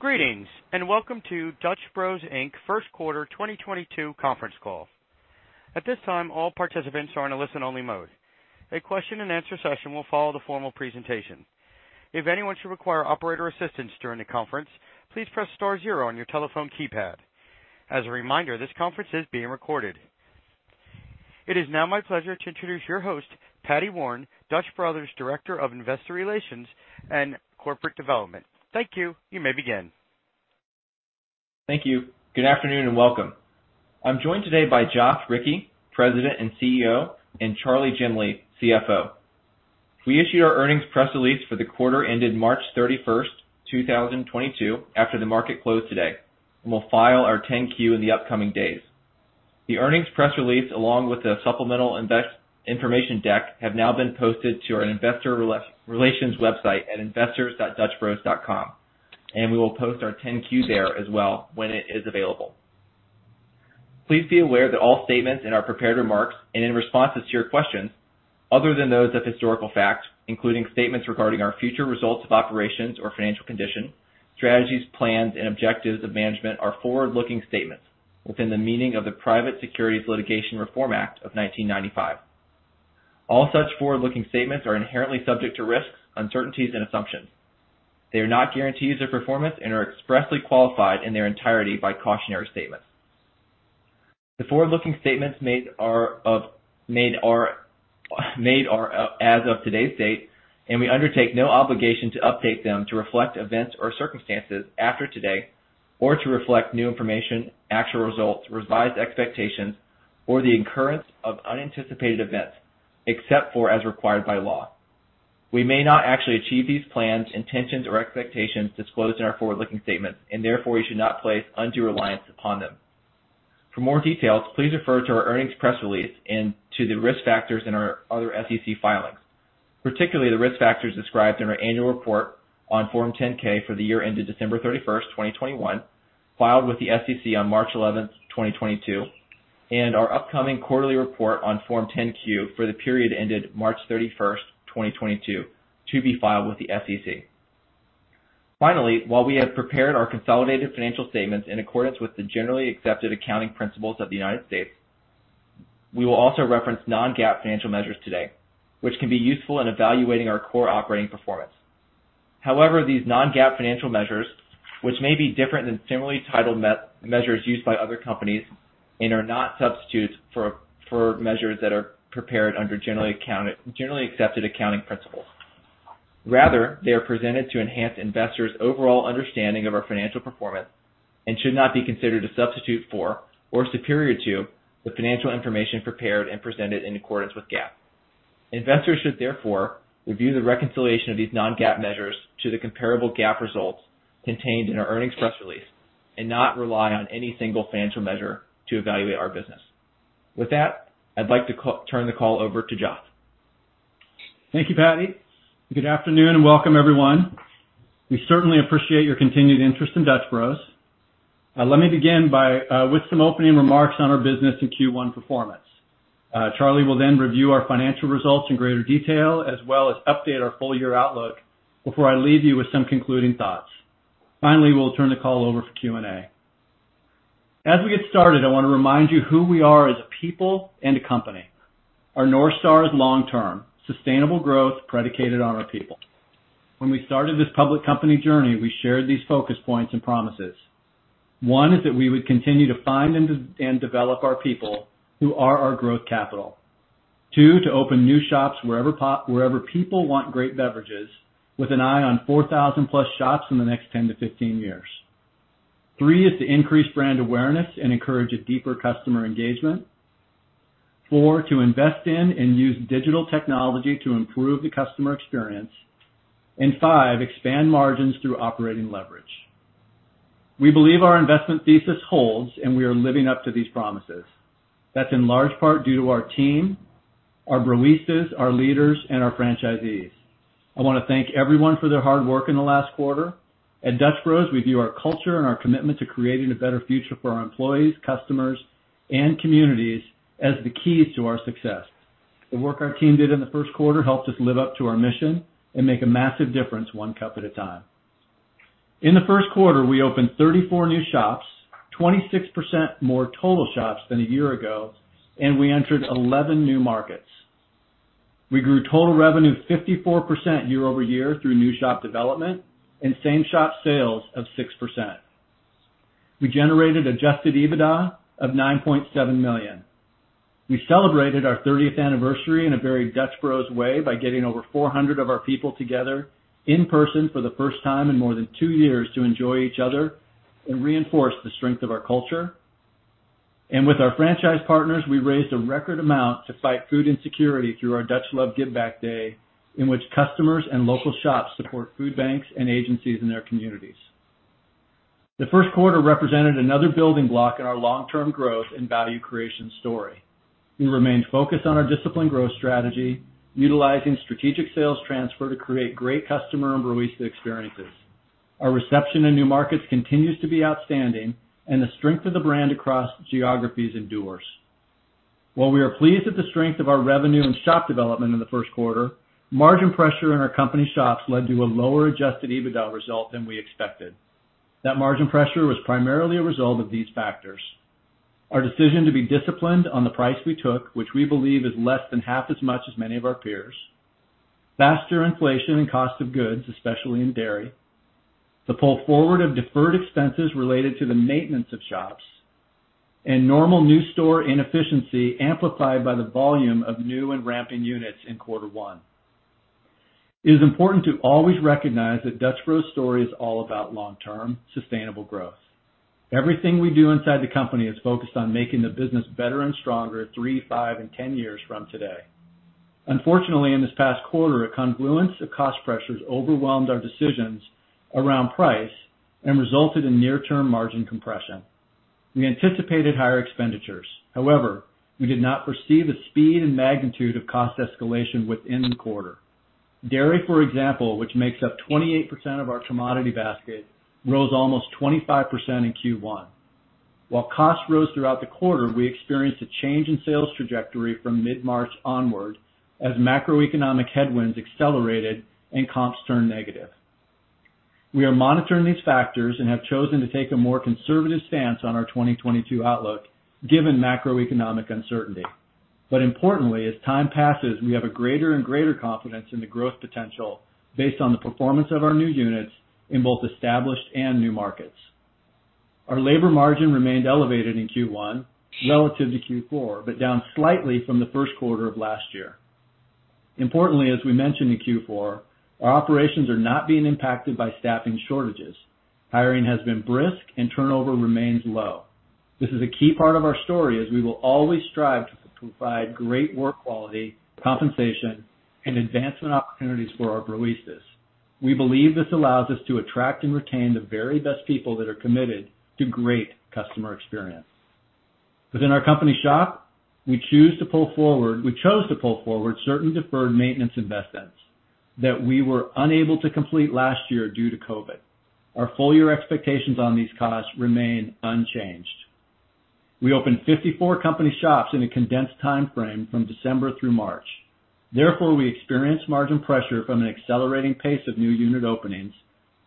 Greetings, and welcome to Dutch Bros Inc. first quarter 2022 conference call. At this time, all participants are in a listen only mode. A question and answer session will follow the formal presentation. If anyone should require operator assistance during the conference, please press star zero on your telephone keypad. As a reminder, this conference is being recorded. It is now my pleasure to introduce your host, Paddy Warren, Dutch Bros Director of Investor Relations and Corporate Development. Thank you. You may begin. Thank you. Good afternoon, and welcome. I'm joined today by Joth Ricci, President and CEO, and Charley Jemley, CFO. We issued our earnings press release for the quarter ended March 31, 2022 after the market closed today, and we'll file our 10-Q in the upcoming days. The earnings press release, along with the supplemental investor information deck, have now been posted to our investor relations website at investors.dutchbros.com, and we will post our 10-Q there as well when it is available. Please be aware that all statements in our prepared remarks and in responses to your questions, other than those of historical facts, including statements regarding our future results of operations or financial condition, strategies, plans, and objectives of management are forward-looking statements within the meaning of the Private Securities Litigation Reform Act of 1995. All such forward-looking statements are inherently subject to risks, uncertainties, and assumptions. They are not guarantees of performance and are expressly qualified in their entirety by cautionary statements. The forward-looking statements made as of today's date, and we undertake no obligation to update them to reflect events or circumstances after today or to reflect new information, actual results, revised expectations, or the occurrence of unanticipated events except for as required by law. We may not actually achieve these plans, intentions, or expectations disclosed in our forward-looking statements, and therefore you should not place undue reliance upon them. For more details, please refer to our earnings press release and to the risk factors in our other SEC filings, particularly the risk factors described in our annual report on Form 10-K for the year ended December 31, 2021, filed with the SEC on March 11, 2022, and our upcoming quarterly report on Form 10-Q for the period ended March 31, 2022, to be filed with the SEC. Finally, while we have prepared our consolidated financial statements in accordance with the generally accepted accounting principles of the United States, we will also reference non-GAAP financial measures today, which can be useful in evaluating our core operating performance. However, these non-GAAP financial measures, which may be different than similarly titled measures used by other companies and are not substitutes for measures that are prepared under generally accepted accounting principles. Rather, they are presented to enhance investors' overall understanding of our financial performance and should not be considered a substitute for or superior to the financial information prepared and presented in accordance with GAAP. Investors should therefore review the reconciliation of these non-GAAP measures to the comparable GAAP results contained in our earnings press release and not rely on any single financial measure to evaluate our business. With that, I'd like to turn the call over to Joth. Thank you, Paddy. Good afternoon, and welcome, everyone. We certainly appreciate your continued interest in Dutch Bros. Let me begin with some opening remarks on our business and Q1 performance. Charley will then review our financial results in greater detail as well as update our full year outlook before I leave you with some concluding thoughts. Finally, we'll turn the call over for Q&A. As we get started, I wanna remind you who we are as a people and a company. Our North Star is long term, sustainable growth predicated on our people. When we started this public company journey, we shared these focus points and promises. One is that we would continue to find and develop our people who are our growth capital. two, to open new shops wherever people want great beverages with an eye on 4,000+ shops in the next 10-15 years. three is to increase brand awareness and encourage a deeper customer engagement. four, to invest in and use digital technology to improve the customer experience. five, expand margins through operating leverage. We believe our investment thesis holds, and we are living up to these promises. That's in large part due to our team, our Broistas, our leaders, and our franchisees. I wanna thank everyone for their hard work in the last quarter. At Dutch Bros, we view our culture and our commitment to creating a better future for our employees, customers, and communities as the keys to our success. The work our team did in the first quarter helped us live up to our mission and make a massive difference one cup at a time. In the first quarter, we opened 34 new shops, 26% more total shops than a year ago, and we entered 11 new markets. We grew total revenue 54% year-over-year through new shop development and same shop sales of 6%. We generated adjusted EBITDA of $9.7 million. We celebrated our 30th anniversary in a very Dutch Bros way by getting over 400 of our people together in person for the first time in more than 2 years to enjoy each other and reinforce the strength of our culture. With our franchise partners, we raised a record amount to fight food insecurity through our Dutch Luv Day of Giving, in which customers and local shops support food banks and agencies in their communities. The first quarter represented another building block in our long-term growth and value creation story. We remained focused on our disciplined growth strategy, utilizing strategic site selection to create great customer and barista experiences. Our reception in new markets continues to be outstanding and the strength of the brand across geographies endures. While we are pleased with the strength of our revenue and shop development in the first quarter, margin pressure in our company shops led to a lower adjusted EBITDA result than we expected. That margin pressure was primarily a result of these factors. Our decision to be disciplined on the price we took, which we believe is less than half as much as many of our peers. Faster inflation and cost of goods, especially in dairy. The pull forward of deferred expenses related to the maintenance of shops, and normal new store inefficiency amplified by the volume of new and ramping units in quarter one. It is important to always recognize that Dutch Bros' story is all about long-term sustainable growth. Everything we do inside the company is focused on making the business better and stronger three, five, and 10 years from today. Unfortunately, in this past quarter, a confluence of cost pressures overwhelmed our decisions around price and resulted in near term margin compression. We anticipated higher expenditures. However, we did not foresee the speed and magnitude of cost escalation within the quarter. Dairy, for example, which makes up 28% of our commodity basket, rose almost 25% in Q1. While costs rose throughout the quarter, we experienced a change in sales trajectory from mid-March onward as macroeconomic headwinds accelerated and comps turned negative. We are monitoring these factors and have chosen to take a more conservative stance on our 2022 outlook given macroeconomic uncertainty. Importantly, as time passes, we have a greater and greater confidence in the growth potential based on the performance of our new units in both established and new markets. Our labor margin remained elevated in Q1 relative to Q4, but down slightly from the first quarter of last year. Importantly, as we mentioned in Q4, our operations are not being impacted by staffing shortages. Hiring has been brisk and turnover remains low. This is a key part of our story as we will always strive to provide great work quality, compensation, and advancement opportunities for our baristas. We believe this allows us to attract and retain the very best people that are committed to great customer experience. Within our company shop, we chose to pull forward certain deferred maintenance investments that we were unable to complete last year due to COVID. Our full year expectations on these costs remain unchanged. We opened 54 company shops in a condensed time frame from December through March. Therefore, we experienced margin pressure from an accelerating pace of new unit openings,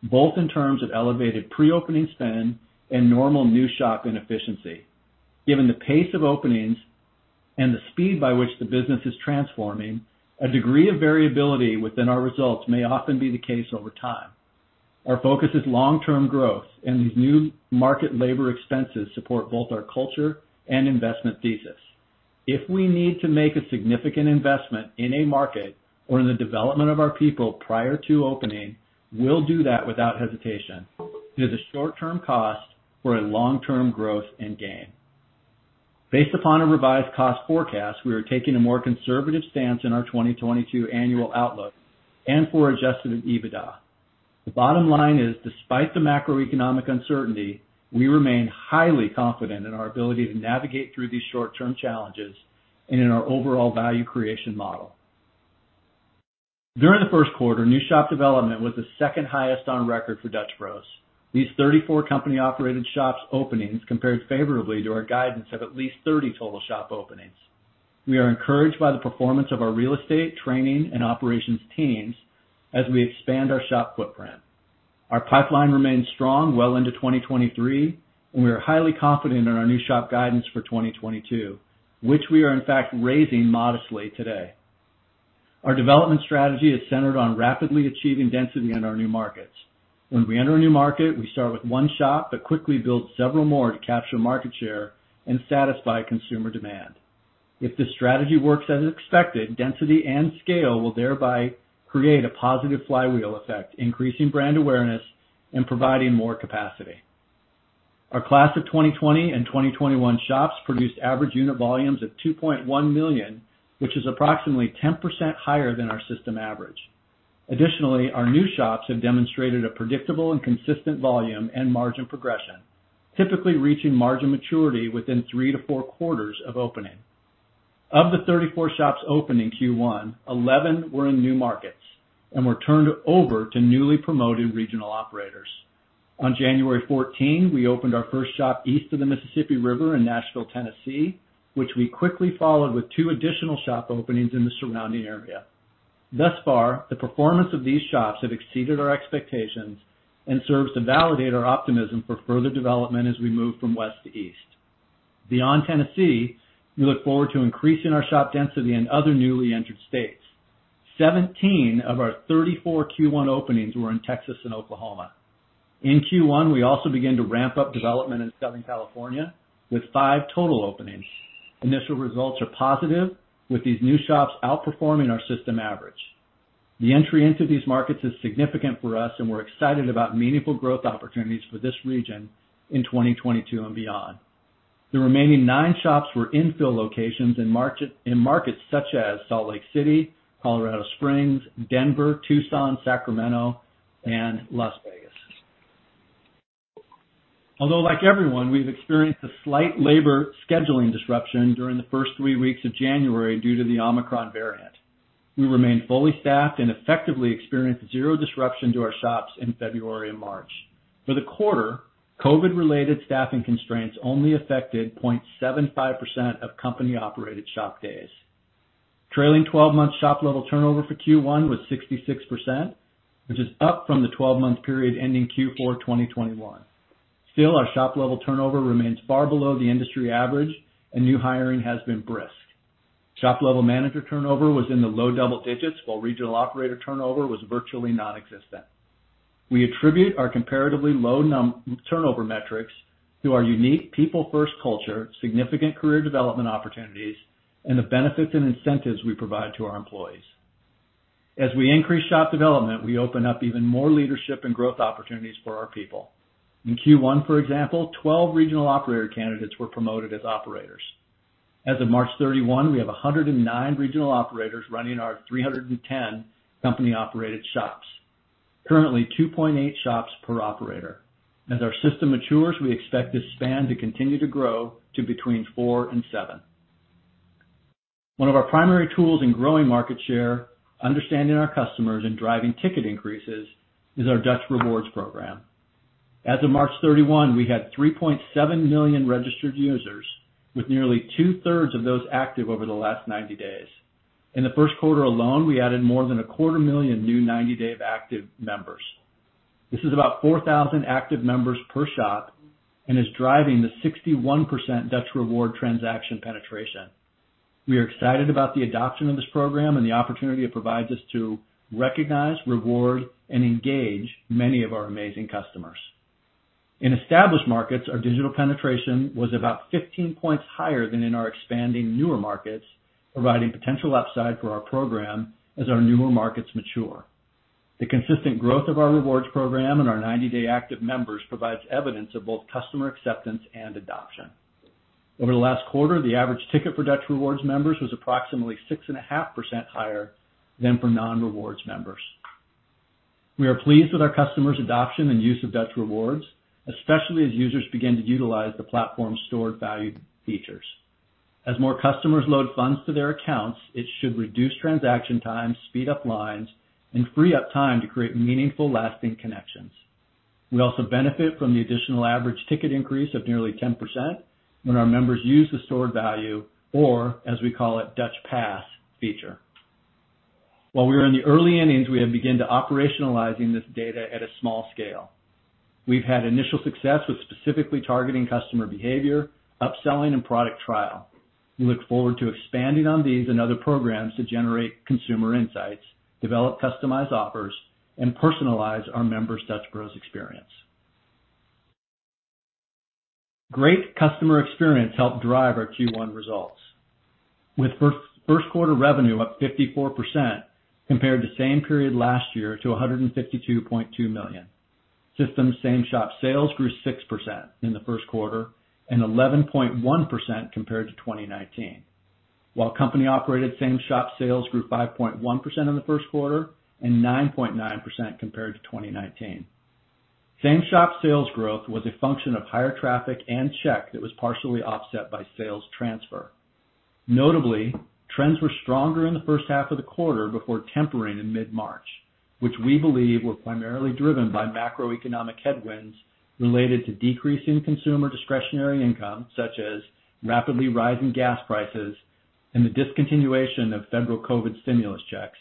both in terms of elevated pre-opening spend and normal new shop inefficiency. Given the pace of openings and the speed by which the business is transforming, a degree of variability within our results may often be the case over time. Our focus is long term growth, and these new market labor expenses support both our culture and investment thesis. If we need to make a significant investment in a market or in the development of our people prior to opening, we'll do that without hesitation. It is a short term cost for a long term growth and gain. Based upon a revised cost forecast, we are taking a more conservative stance in our 2022 annual outlook and for adjusted EBITDA. The bottom line is, despite the macroeconomic uncertainty, we remain highly confident in our ability to navigate through these short term challenges and in our overall value creation model. During the first quarter, new shop development was the second highest on record for Dutch Bros. These 34 company-operated shop openings compared favorably to our guidance of at least 30 total shop openings. We are encouraged by the performance of our real estate, training, and operations teams as we expand our shop footprint. Our pipeline remains strong well into 2023, and we are highly confident in our new shop guidance for 2022, which we are in fact raising modestly today. Our development strategy is centered on rapidly achieving density in our new markets. When we enter a new market, we start with one shop, but quickly build several more to capture market share and satisfy consumer demand. If this strategy works as expected, density and scale will thereby create a positive flywheel effect, increasing brand awareness and providing more capacity. Our class of 2020 and 2021 shops produced average unit volumes of $2.1 million, which is approximately 10% higher than our system average. Additionally, our new shops have demonstrated a predictable and consistent volume and margin progression, typically reaching margin maturity within 3-4 quarters of opening. Of the 34 shops opened in Q1, 11 were in new markets and were turned over to newly promoted regional operators. On January 14, we opened our first shop east of the Mississippi River in Nashville, Tennessee, which we quickly followed with two additional shop openings in the surrounding area. Thus far, the performance of these shops have exceeded our expectations and serves to validate our optimism for further development as we move from west to east. Beyond Tennessee, we look forward to increasing our shop density in other newly entered states. Seventeen of our 34 Q1 openings were in Texas and Oklahoma. In Q1, we also began to ramp up development in Southern California with five total openings. Initial results are positive, with these new shops outperforming our system average. The entry into these markets is significant for us, and we're excited about meaningful growth opportunities for this region in 2022 and beyond. The remaining nine shops were infill locations in markets such as Salt Lake City, Colorado Springs, Denver, Tucson, Sacramento, and Las Vegas. Although like everyone, we've experienced a slight labor scheduling disruption during the first 3 weeks of January due to the Omicron variant. We remain fully staffed and effectively experienced zero disruption to our shops in February and March. For the quarter, COVID related staffing constraints only affected 0.75% of company operated shop days. Trailing 12-month shop level turnover for Q1 was 66%, which is up from the 12-month period ending Q4, 2021. Still, our shop level turnover remains far below the industry average and new hiring has been brisk. Shop level manager turnover was in the low double digits while regional operator turnover was virtually nonexistent. We attribute our comparatively low turnover metrics to our unique people first culture, significant career development opportunities, and the benefits and incentives we provide to our employees. As we increase shop development, we open up even more leadership and growth opportunities for our people. In Q1, for example, 12 regional operator candidates were promoted as operators. As of March 31, we have 109 regional operators running our 310 company operated shops. Currently 2.8 shops per operator. As our system matures, we expect this span to continue to grow to between four and seven. One of our primary tools in growing market share, understanding our customers, and driving ticket increases is our Dutch Rewards program. As of March 31, we had 3.7 million registered users with nearly 2/3 of those active over the last 90 days. In the first quarter alone, we added more than a quarter million new 90-day active members. This is about 4,000 active members per shop and is driving the 61% Dutch Rewards transaction penetration. We are excited about the adoption of this program and the opportunity it provides us to recognize, reward, and engage many of our amazing customers. In established markets, our digital penetration was about 15 points higher than in our expanding newer markets, providing potential upside for our program as our newer markets mature. The consistent growth of our rewards program and our 90-day active members provides evidence of both customer acceptance and adoption. Over the last quarter, the average ticket for Dutch Rewards members was approximately 6.5% higher than for non rewards members. We are pleased with our customers' adoption and use of Dutch Rewards, especially as users begin to utilize the platform's stored value features. As more customers load funds to their accounts, it should reduce transaction times, speed up lines, and free up time to create meaningful, lasting connections. We also benefit from the additional average ticket increase of nearly 10% when our members use the stored value or as we call it Dutch Pass feature. While we are in the early innings, we have begun to operationalizing this data at a small scale. We've had initial success with specifically targeting customer behavior, upselling, and product trial. We look forward to expanding on these and other programs to generate consumer insights, develop customized offers, and personalize our members Dutch Bros experience. Great customer experience helped drive our Q1 results. With first quarter revenue up 54% compared to same period last year to $152.2 million. System same shop sales grew 6% in the first quarter and 11.1% compared to 2019. While company operated same shop sales grew 5.1% in the first quarter and 9.9% compared to 2019. Same shop sales growth was a function of higher traffic and check that was partially offset by sales transfer. Notably, trends were stronger in the first half of the quarter before tempering in mid-March, which we believe were primarily driven by macroeconomic headwinds related to decreasing consumer discretionary income, such as rapidly rising gas prices and the discontinuation of federal COVID stimulus checks,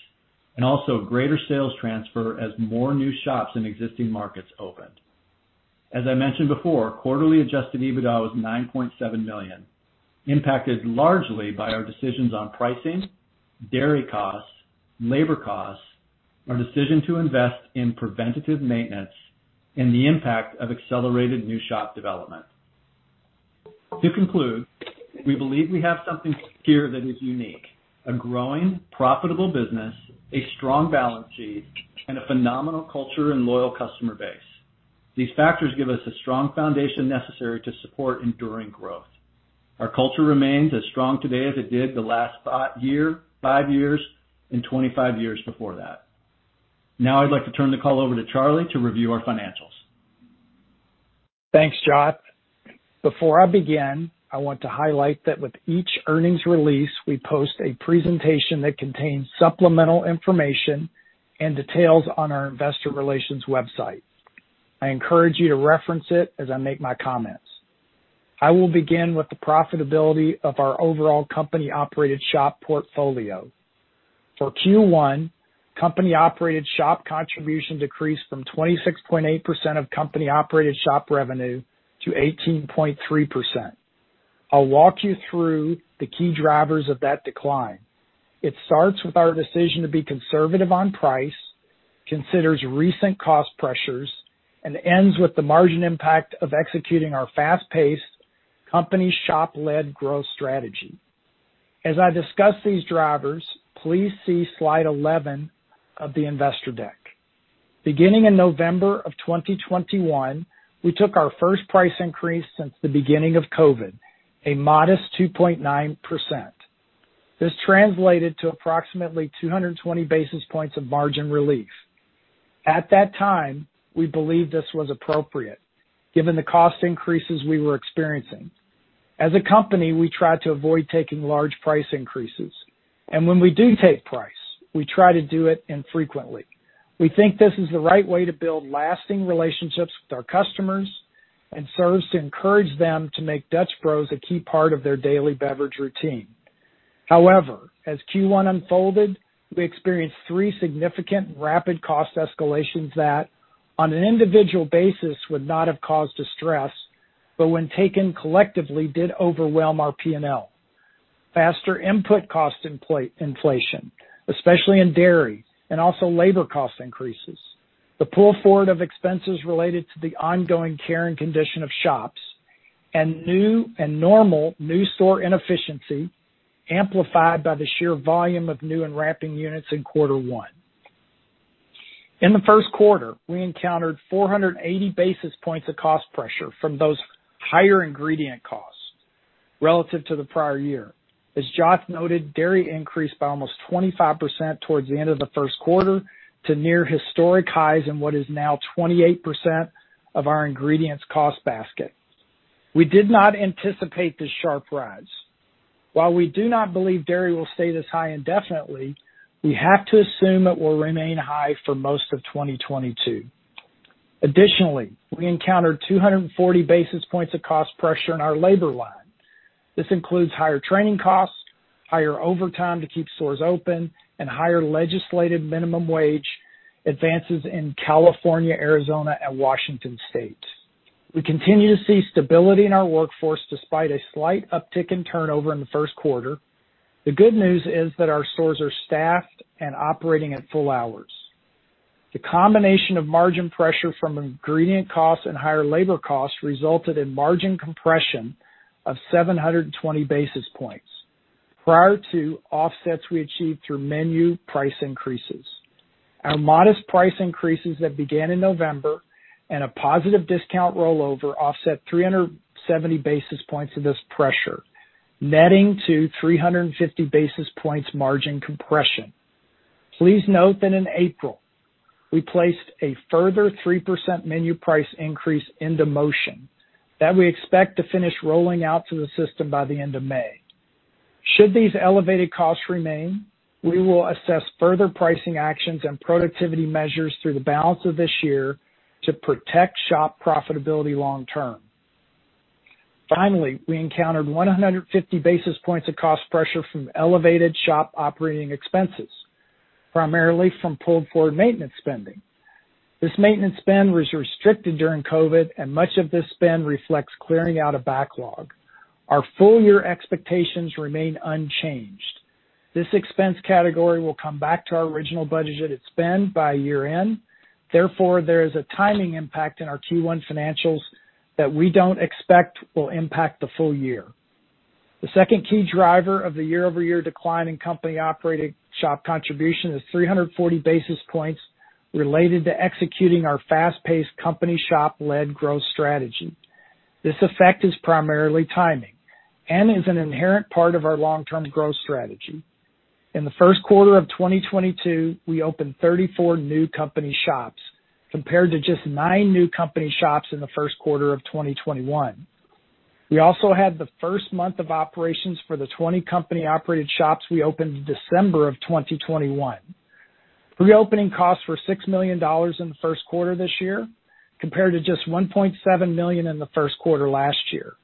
and also greater sales transfer as more new shops in existing markets opened. As I mentioned before, quarterly adjusted EBITDA was $9.7 million, impacted largely by our decisions on pricing, dairy costs, labor costs, our decision to invest in preventative maintenance and the impact of accelerated new shop development. To conclude, we believe we have something here that is unique, a growing profitable business, a strong balance sheet, and a phenomenal culture and loyal customer base. These factors give us a strong foundation necessary to support enduring growth. Our culture remains as strong today as it did the last five years and 25 years before that. Now I'd like to turn the call over to Charley to review our financials. Thanks, Joth. Before I begin, I want to highlight that with each earnings release, we post a presentation that contains supplemental information and details on our investor relations website. I encourage you to reference it as I make my comments. I will begin with the profitability of our overall company operated shop portfolio. For Q1, company operated shop contribution decreased from 26.8% of company operated shop revenue to 18.3%. I'll walk you through the key drivers of that decline. It starts with our decision to be conservative on price, considers recent cost pressures, and ends with the margin impact of executing our fast-paced company shop led growth strategy. As I discuss these drivers, please see slide 11 of the investor deck. Beginning in November of 2021, we took our first price increase since the beginning of COVID, a modest 2.9%. This translated to approximately 220 basis points of margin relief. At that time, we believed this was appropriate given the cost increases we were experiencing. As a company, we try to avoid taking large price increases, and when we do take price, we try to do it infrequently. We think this is the right way to build lasting relationships with our customers and serves to encourage them to make Dutch Bros a key part of their daily beverage routine. However, as Q1 unfolded, we experienced three significant rapid cost escalations that on an individual basis would not have caused distress, but when taken collectively, did overwhelm our PNL. Faster input cost inflation, especially in dairy, and also labor cost increases. The pull forward of expenses related to the ongoing care and condition of shops and new and normal store inefficiency amplified by the sheer volume of new and ramping units in quarter one. In the first quarter, we encountered 480 basis points of cost pressure from those higher ingredient costs relative to the prior year. As Joth noted, dairy increased by almost 25% towards the end of the first quarter to near historic highs in what is now 28% of our ingredients cost basket. We did not anticipate this sharp rise. While we do not believe dairy will stay this high indefinitely, we have to assume it will remain high for most of 2022. Additionally, we encountered 240 basis points of cost pressure in our labor line. This includes higher training costs, higher overtime to keep stores open, and higher legislative minimum wage advances in California, Arizona, and Washington State. We continue to see stability in our workforce despite a slight uptick in turnover in the first quarter. The good news is that our stores are staffed and operating at full hours. The combination of margin pressure from ingredient costs and higher labor costs resulted in margin compression of 720 basis points prior to offsets we achieved through menu price increases. Our modest price increases that began in November and a positive discount rollover offset 370 basis points of this pressure, netting to 350 basis points margin compression. Please note that in April, we placed a further 3% menu price increase into motion that we expect to finish rolling out to the system by the end of May. Should these elevated costs remain, we will assess further pricing actions and productivity measures through the balance of this year to protect shop profitability long term. Finally, we encountered 150 basis points of cost pressure from elevated shop operating expenses, primarily from pulled forward maintenance spending. This maintenance spend was restricted during COVID, and much of this spend reflects clearing out a backlog. Our full year expectations remain unchanged. This expense category will come back to our original budgeted spend by year end. Therefore, there is a timing impact in our Q1 financials that we don't expect will impact the full year. The second key driver of the year-over-year decline in company operated shop contribution is 340 basis points related to executing our fast-paced company shop led growth strategy. This effect is primarily timing and is an inherent part of our long term growth strategy. In the first quarter of 2022, we opened 34 new company shops, compared to just nine new company shops in the first quarter of 2021. We also had the first month of operations for the 20 company operated shops we opened in December of 2021. Pre-opening costs were $6 million in the first quarter this year, compared to just $1.7 million in the first quarter last year.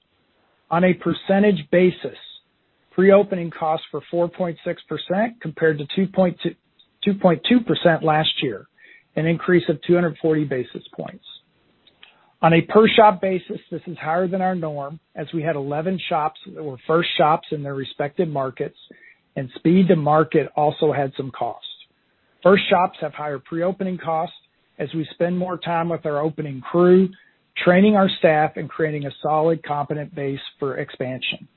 On a percentage basis, pre-opening costs were 4.6% compared to 2.2% last year, an increase of 240 basis points. On a per shop basis, this is higher than our norm, as we had 11 shops that were first shops in their respective markets, and speed to market also had some costs. First shops have higher pre-opening costs as we spend more time with our opening crew, training our staff, and creating a solid, competent base for expansion.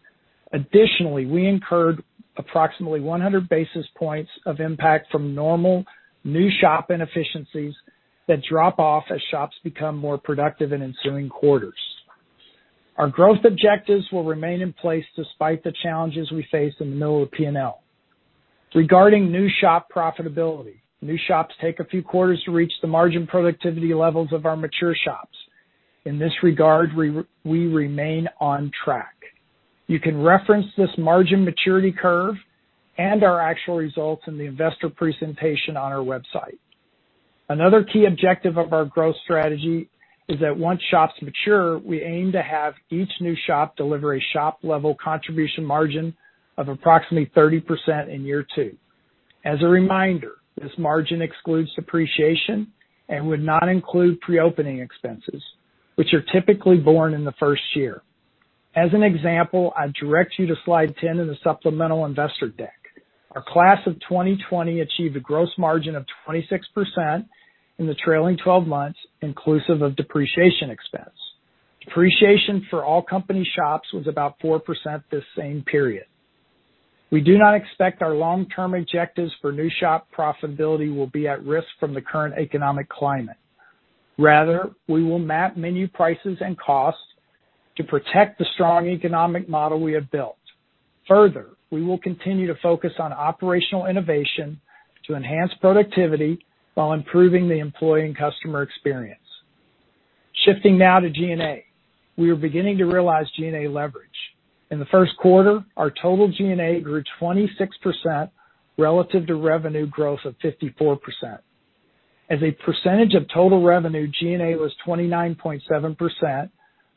Additionally, we incurred approximately 100 basis points of impact from normal new shop inefficiencies that drop off as shops become more productive in ensuing quarters. Our growth objectives will remain in place despite the challenges we face in the middle of PNL. Regarding new shop profitability, new shops take a few quarters to reach the margin productivity levels of our mature shops. In this regard, we remain on track. You can reference this margin maturity curve and our actual results in the investor presentation on our website. Another key objective of our growth strategy is that once shops mature, we aim to have each new shop deliver a shop-level contribution margin of approximately 30% in year two. As a reminder, this margin excludes depreciation and would not include pre-opening expenses, which are typically borne in the first year. As an example, I direct you to slide 10 of the supplemental investor deck. Our class of 2020 achieved a gross margin of 26% in the trailing twelve months, inclusive of depreciation expense. Depreciation for all company shops was about 4% this same period. We do not expect our long-term objectives for new shop profitability will be at risk from the current economic climate. Rather, we will map menu prices and costs to protect the strong economic model we have built. Further, we will continue to focus on operational innovation to enhance productivity while improving the employee and customer experience. Shifting now to G&A. We are beginning to realize G&A leverage. In the first quarter, our total G&A grew 26% relative to revenue growth of 54%. As a percentage of total revenue, G&A was 29.7%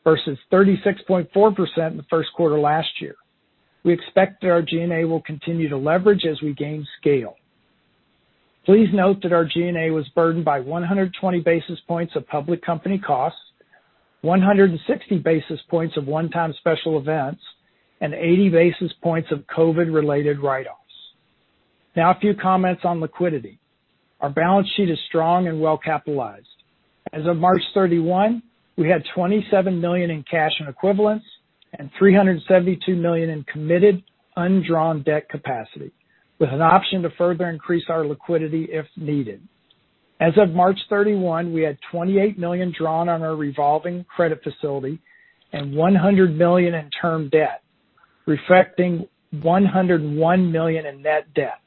versus 36.4% in the first quarter last year. We expect that our G&A will continue to leverage as we gain scale. Please note that our G&A was burdened by 120 basis points of public company costs, 160 basis points of one-time special events, and 80 basis points of COVID related write-offs. Now a few comments on liquidity. Our balance sheet is strong and well capitalized. As of March 31, we had $27 million in cash and equivalents and $372 million in committed undrawn debt capacity, with an option to further increase our liquidity if needed. As of March 31, we had $28 million drawn on our revolving credit facility and $100 million in term debt, reflecting $101 million in net debt.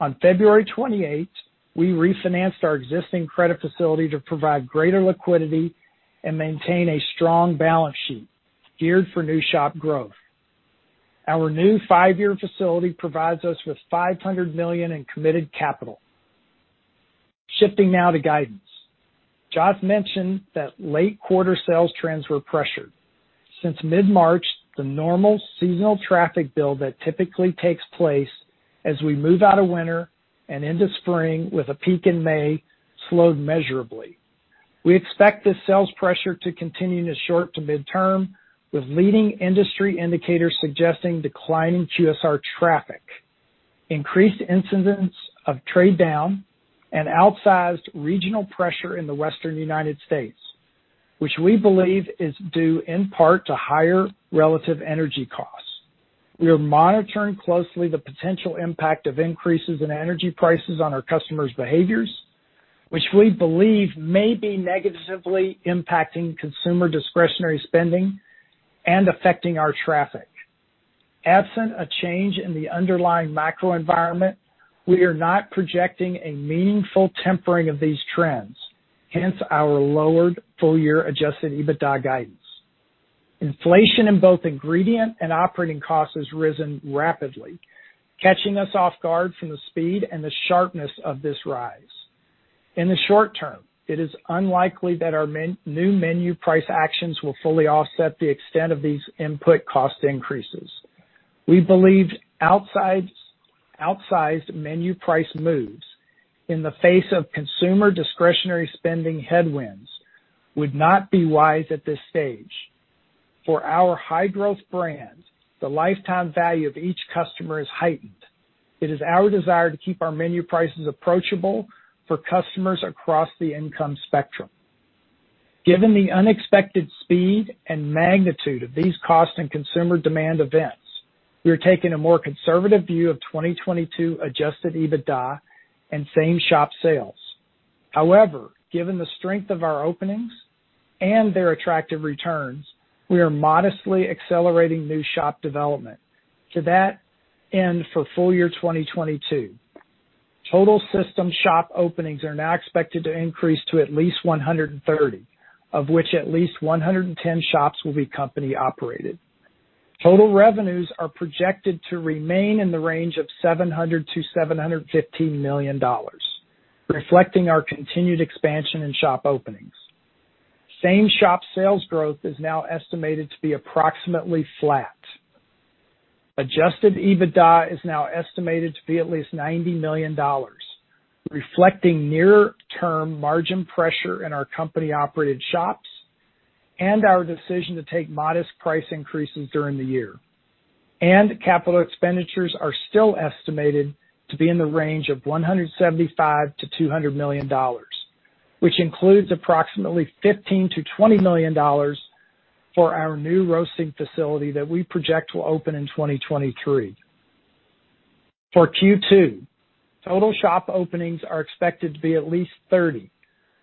On February 28, we refinanced our existing credit facility to provide greater liquidity and maintain a strong balance sheet geared for new shop growth. Our new five-year facility provides us with $500 million in committed capital. Shifting now to guidance. Joth mentioned that late quarter sales trends were pressured. Since mid-March, the normal seasonal traffic build that typically takes place as we move out of winter and into spring with a peak in May slowed measurably. We expect this sales pressure to continue in the short to mid-term, with leading industry indicators suggesting declining QSR traffic, increased incidence of trade down and outsized regional pressure in the Western United States, which we believe is due in part to higher relative energy costs. We are monitoring closely the potential impact of increases in energy prices on our customers' behaviors, which we believe may be negatively impacting consumer discretionary spending and affecting our traffic. Absent a change in the underlying macro environment, we are not projecting a meaningful tempering of these trends, hence our lowered full year adjusted EBITDA guidance. Inflation in both ingredient and operating costs has risen rapidly, catching us off guard from the speed and the sharpness of this rise. In the short term, it is unlikely that our new menu price actions will fully offset the extent of these input cost increases. We believe outsized menu price moves in the face of consumer discretionary spending headwinds would not be wise at this stage. For our high growth brands, the lifetime value of each customer is heightened. It is our desire to keep our menu prices approachable for customers across the income spectrum. Given the unexpected speed and magnitude of these cost and consumer demand events, we are taking a more conservative view of 2022 adjusted EBITDA and same shop sales. However, given the strength of our openings and their attractive returns, we are modestly accelerating new shop development. To that end, for full year 2022, total system shop openings are now expected to increase to at least 130, of which at least 110 shops will be company operated. Total revenues are projected to remain in the range of $700 million-$715 million, reflecting our continued expansion in shop openings. Same shop sales growth is now estimated to be approximately flat. Adjusted EBITDA is now estimated to be at least $90 million, reflecting near term margin pressure in our company operated shops and our decision to take modest price increases during the year. Capital expenditures are still estimated to be in the range of $175 million-$200 million, which includes approximately $15 million-$20 million for our new roasting facility that we project will open in 2023. For Q2, total shop openings are expected to be at least 30,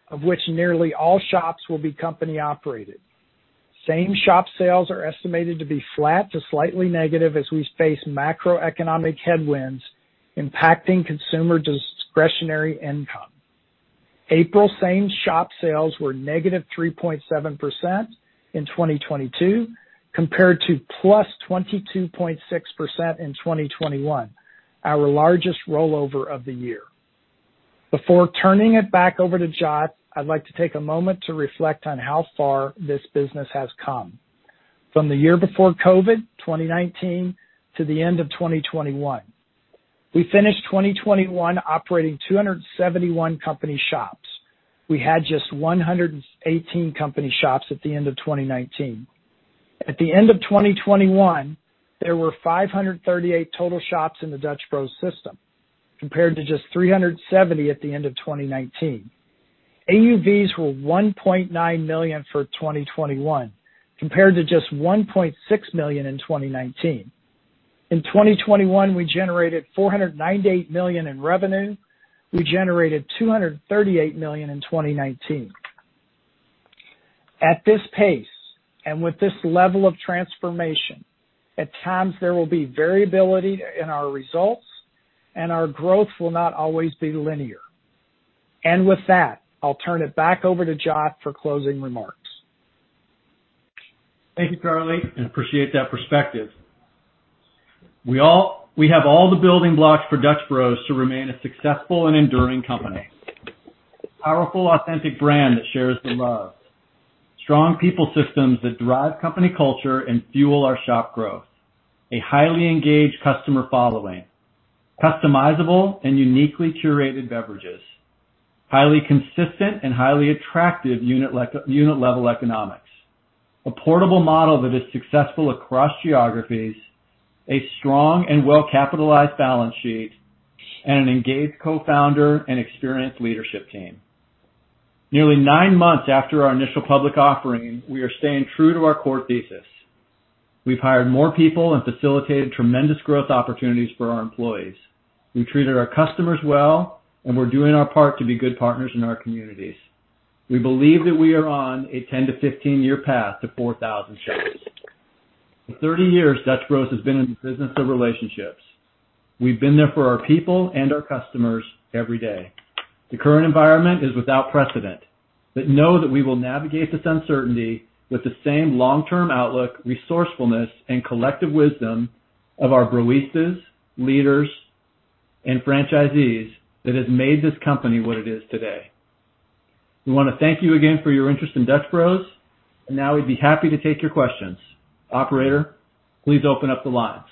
of which nearly all shops will be company operated. Same shop sales are estimated to be flat to slightly negative as we face macroeconomic headwinds impacting consumer discretionary income. April same shop sales were -3.7% in 2022, compared to +22.6% in 2021, our largest rollover of the year. Before turning it back over to Joth, I'd like to take a moment to reflect on how far this business has come. From the year before COVID, 2019, to the end of 2021. We finished 2021 operating 271 company shops. We had just 118 company shops at the end of 2019. At the end of 2021, there were 538 total shops in the Dutch Bros system, compared to just 370 at the end of 2019. AUVs were $1.9 million for 2021, compared to just $1.6 million in 2019. In 2021, we generated $498 million in revenue. We generated $238 million in 2019. At this pace, and with this level of transformation, at times there will be variability in our results and our growth will not always be linear. With that, I'll turn it back over to Joth for closing remarks. Thank you, Charley. I appreciate that perspective. We have all the building blocks for Dutch Bros to remain a successful and enduring company. Powerful, authentic brand that shares the love. Strong people systems that drive company culture and fuel our shop growth. A highly engaged customer following. Customizable and uniquely curated beverages. Highly consistent and highly attractive unit-level economics. A portable model that is successful across geographies. A strong and well-capitalized balance sheet and an engaged co-founder and experienced leadership team. Nearly nine months after our initial public offering, we are staying true to our core thesis. We've hired more people and facilitated tremendous growth opportunities for our employees. We treated our customers well, and we're doing our part to be good partners in our communities. We believe that we are on a 10-15 year path to 4,000 shops. For thirty years, Dutch Bros has been in the business of relationships. We've been there for our people and our customers every day. The current environment is without precedent, but know that we will navigate this uncertainty with the same long-term outlook, resourcefulness, and collective wisdom of our Broistas, leaders, and franchisees that has made this company what it is today. We wanna thank you again for your interest in Dutch Bros, and now we'd be happy to take your questions. Operator, please open up the lines.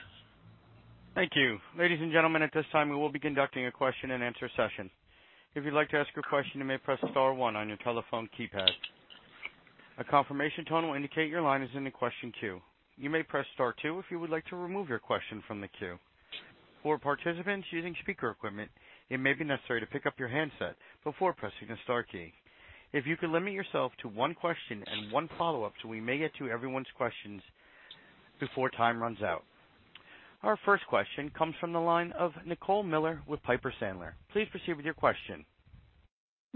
Thank you. Ladies and gentlemen, at this time we will be conducting a question-and-answer session. If you'd like to ask your question, you may press star one on your telephone keypad. A confirmation tone will indicate your line is in the question queue. You may press star two if you would like to remove your question from the queue. For participants using speaker equipment, it may be necessary to pick up your handset before pressing the star key. If you could limit yourself to one question and one follow-up so we may get to everyone's questions before time runs out. Our first question comes from the line of Nicole Miller with Piper Sandler. Please proceed with your question.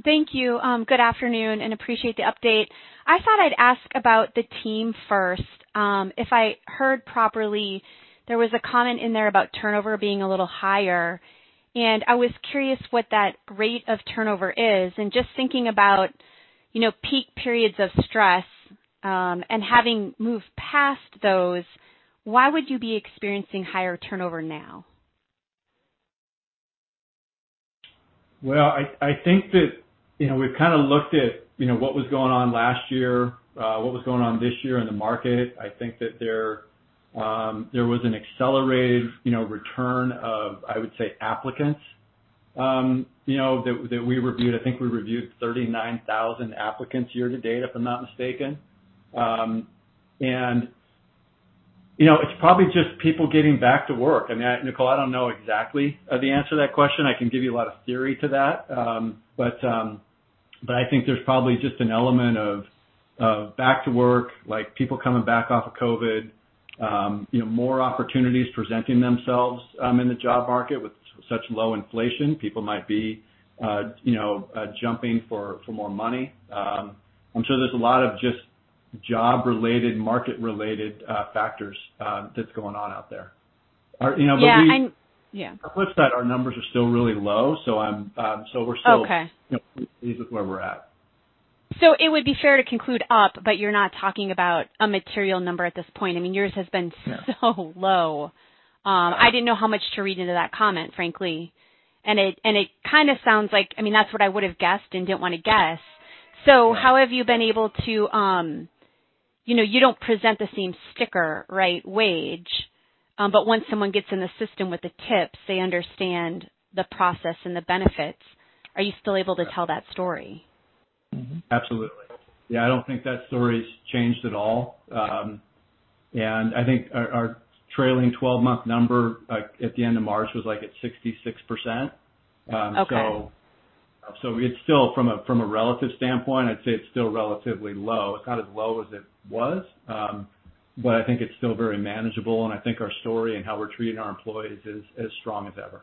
Thank you. Good afternoon and appreciate the update. I thought I'd ask about the team first. If I heard properly, there was a comment in there about turnover being a little higher, and I was curious what that rate of turnover is and just thinking about, you know, peak periods of stress, and having moved past those, why would you be experiencing higher turnover now? Well, I think that, you know, we've kinda looked at, you know, what was going on last year, what was going on this year in the market. I think that there was an accelerated, you know, return of, I would say, applicants, you know, that we reviewed. I think we reviewed 39,000 applicants year to date, if I'm not mistaken. You know, it's probably just people getting back to work. I mean, Nicole, I don't know exactly the answer to that question. I can give you a lot of theory to that. I think there's probably just an element of back to work, like people coming back off of COVID, you know, more opportunities presenting themselves in the job market with such low inflation. People might be, you know, jumping for more money. I'm sure there's a lot of just job-related, market-related factors that's going on out there. You know, we- Yeah. Yeah. The flip side, our numbers are still really low, so we're still. Okay. You know, pleased with where we're at. It would be fair to conclude up, but you're not talking about a material number at this point. I mean, yours has been so low. I didn't know how much to read into that comment, frankly. It kinda sounds like, I mean, that's what I would have guessed and didn't wanna guess. How have you been able to, you know, you don't present the same sticker, right, wage, but once someone gets in the system with the tips, they understand the process and the benefits. Are you still able to tell that story? Absolutely. Yeah, I don't think that story's changed at all. I think our trailing 12-month number, like, at the end of March was, like, at 66%. So- Okay. It's still from a relative standpoint, I'd say it's still relatively low. It's not as low as it was. I think it's still very manageable, and I think our story and how we're treating our employees is as strong as ever.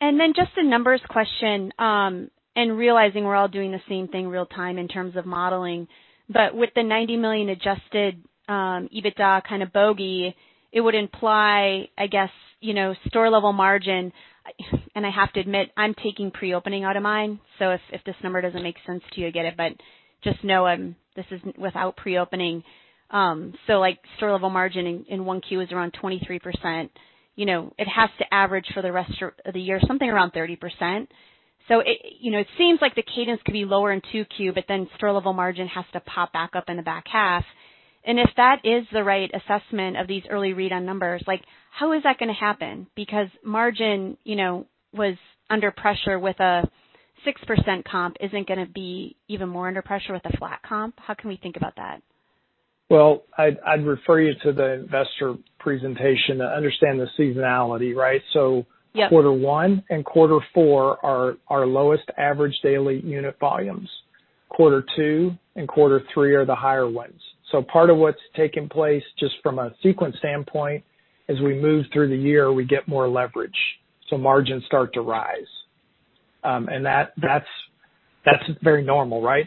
Then just a numbers question, and realizing we're all doing the same thing real time in terms of modeling. But with the $90 million adjusted EBITDA kind of bogey, it would imply, I guess, you know, store level margin. I have to admit, I'm taking pre-opening out of mine. If this number doesn't make sense to you, I get it, but just know this is without pre-opening. Like, store level margin in 1Q is around 23%. You know, it has to average for the rest of the year something around 30%. It, you know, it seems like the cadence could be lower in 2Q, but then store level margin has to pop back up in the back half. If that is the right assessment of these early read on numbers, like, how is that gonna happen? Because margin, you know, was under pressure with a 6% comp isn't gonna be even more under pressure with a flat comp. How can we think about that? Well, I'd refer you to the investor presentation to understand the seasonality, right? Yeah. Quarter one and quarter four are our lowest average daily unit volumes. Quarter two and quarter three are the higher ones. Part of what's taking place, just from a sequence standpoint, as we move through the year, we get more leverage, so margins start to rise. That's very normal, right?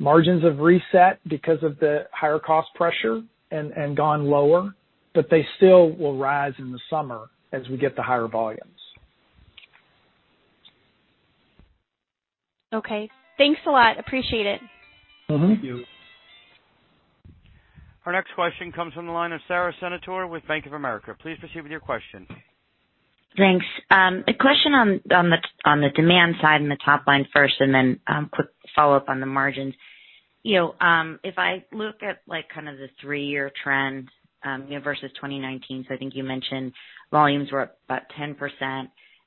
Margins have reset because of the higher cost pressure and gone lower, but they still will rise in the summer as we get the higher volumes. Okay. Thanks a lot. Appreciate it. Mm-hmm. Thank you. Our next question comes from the line of Sara Senatore with Bank of America. Please proceed with your question. Thanks. A question on the demand side and the top line first, and then a quick follow-up on the margins. You know, if I look at, like, kind of the three-year trend, you know, versus 2019, I think you mentioned volumes were up about 10%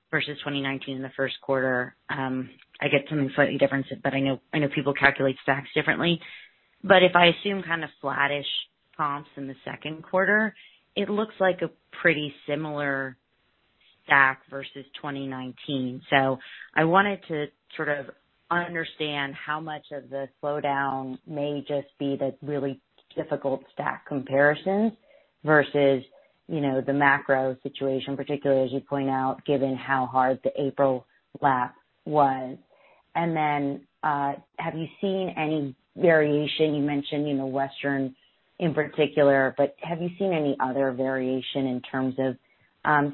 versus 2019 in the first quarter. I get something slightly different, but I know people calculate stacks differently. If I assume kind of flattish comps in the second quarter, it looks like a pretty similar stack versus 2019. I wanted to sort of understand how much of the slowdown may just be the really difficult stack comparisons versus, you know, the macro situation, particularly as you point out, given how hard the April lap was. Have you seen any variation? You mentioned, you know, Western in particular, but have you seen any other variation in terms of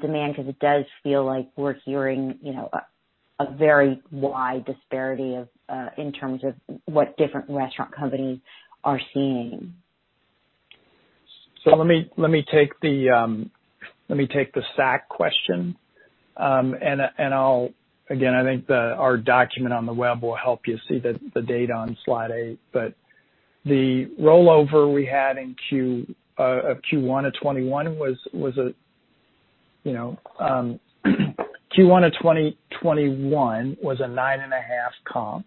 demand? 'Cause it does feel like we're hearing, you know, a very wide disparity in terms of what different restaurant companies are seeing. Let me take the stack question, and I'll again, I think our document on the web will help you see the data on slide eight. The rollover we had in Q1 of 2021 was a 9.5 comp.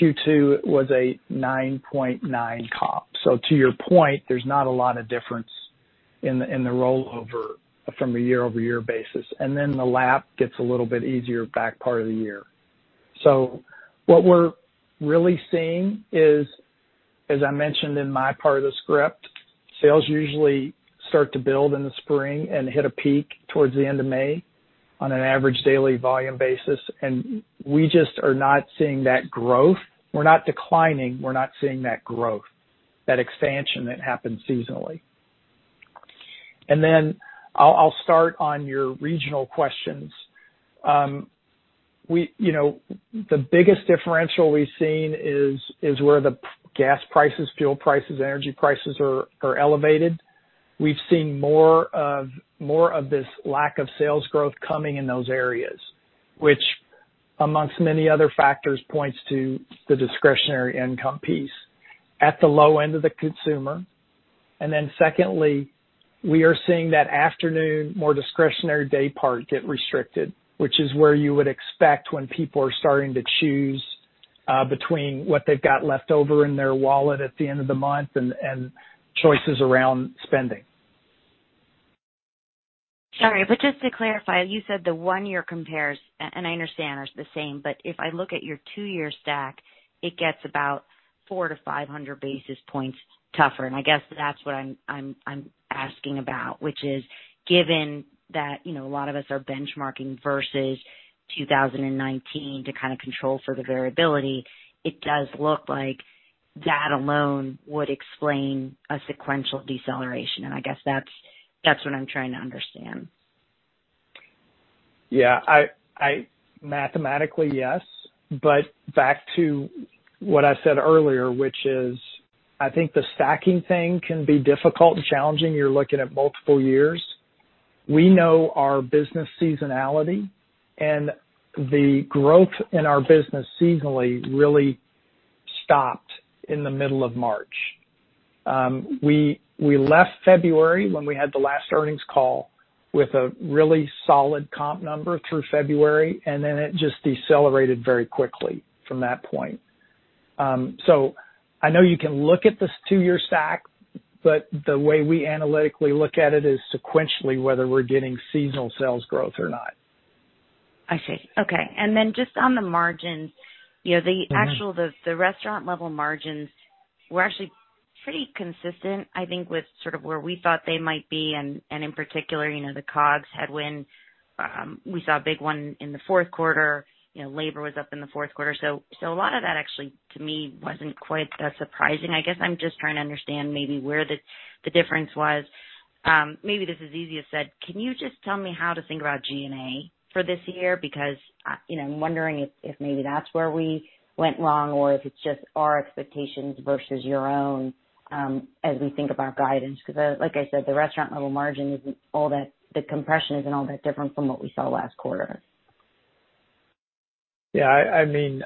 Q2 was a 9.9 comp. To your point, there's not a lot of difference in the rollover from a year-over-year basis. Then the lap gets a little bit easier back part of the year. What we're really seeing is, as I mentioned in my part of the script, sales usually start to build in the spring and hit a peak towards the end of May on an average daily volume basis. We just are not seeing that growth. We're not declining, we're not seeing that growth, that expansion that happens seasonally. Then I'll start on your regional questions. We, you know, the biggest differential we've seen is where the gas prices, fuel prices, energy prices are elevated. We've seen more of this lack of sales growth coming in those areas, which amongst many other factors, points to the discretionary income piece at the low end of the consumer. Then secondly, we are seeing that afternoon, more discretionary day part get restricted, which is where you would expect when people are starting to choose between what they've got left over in their wallet at the end of the month and choices around spending. Sorry, but just to clarify, you said the one-year compares, and I understand are the same, but if I look at your two-year stack, it gets about 400 basis points-500 basis points tougher. I guess that's what I'm asking about, which is, given that, you know, a lot of us are benchmarking versus 2019 to kind of control for the variability, it does look like that alone would explain a sequential deceleration. I guess that's what I'm trying to understand. Yeah. I mathematically, yes. Back to what I said earlier, which is, I think the stacking thing can be difficult and challenging. You're looking at multiple years. We know our business seasonality and the growth in our business seasonally really stopped in the middle of March. We left February when we had the last earnings call with a really solid comp number through February, and then it just decelerated very quickly from that point. I know you can look at this two-year stack, but the way we analytically look at it is sequentially whether we're getting seasonal sales growth or not. I see. Okay. Just on the margins, you know, the actual. The restaurant level margins were actually pretty consistent, I think, with sort of where we thought they might be. In particular, you know, the COGS headwind we saw a big one in the fourth quarter. You know, labor was up in the fourth quarter. A lot of that actually to me wasn't quite as surprising. I guess I'm just trying to understand maybe where the difference was. Maybe this is easier said. Can you just tell me how to think about G&A for this year? Because, you know, I'm wondering if maybe that's where we went wrong or if it's just our expectations versus your own as we think about guidance. Because like I said, the restaurant level margin isn't all that the compression isn't all that different from what we saw last quarter. Yeah. I mean,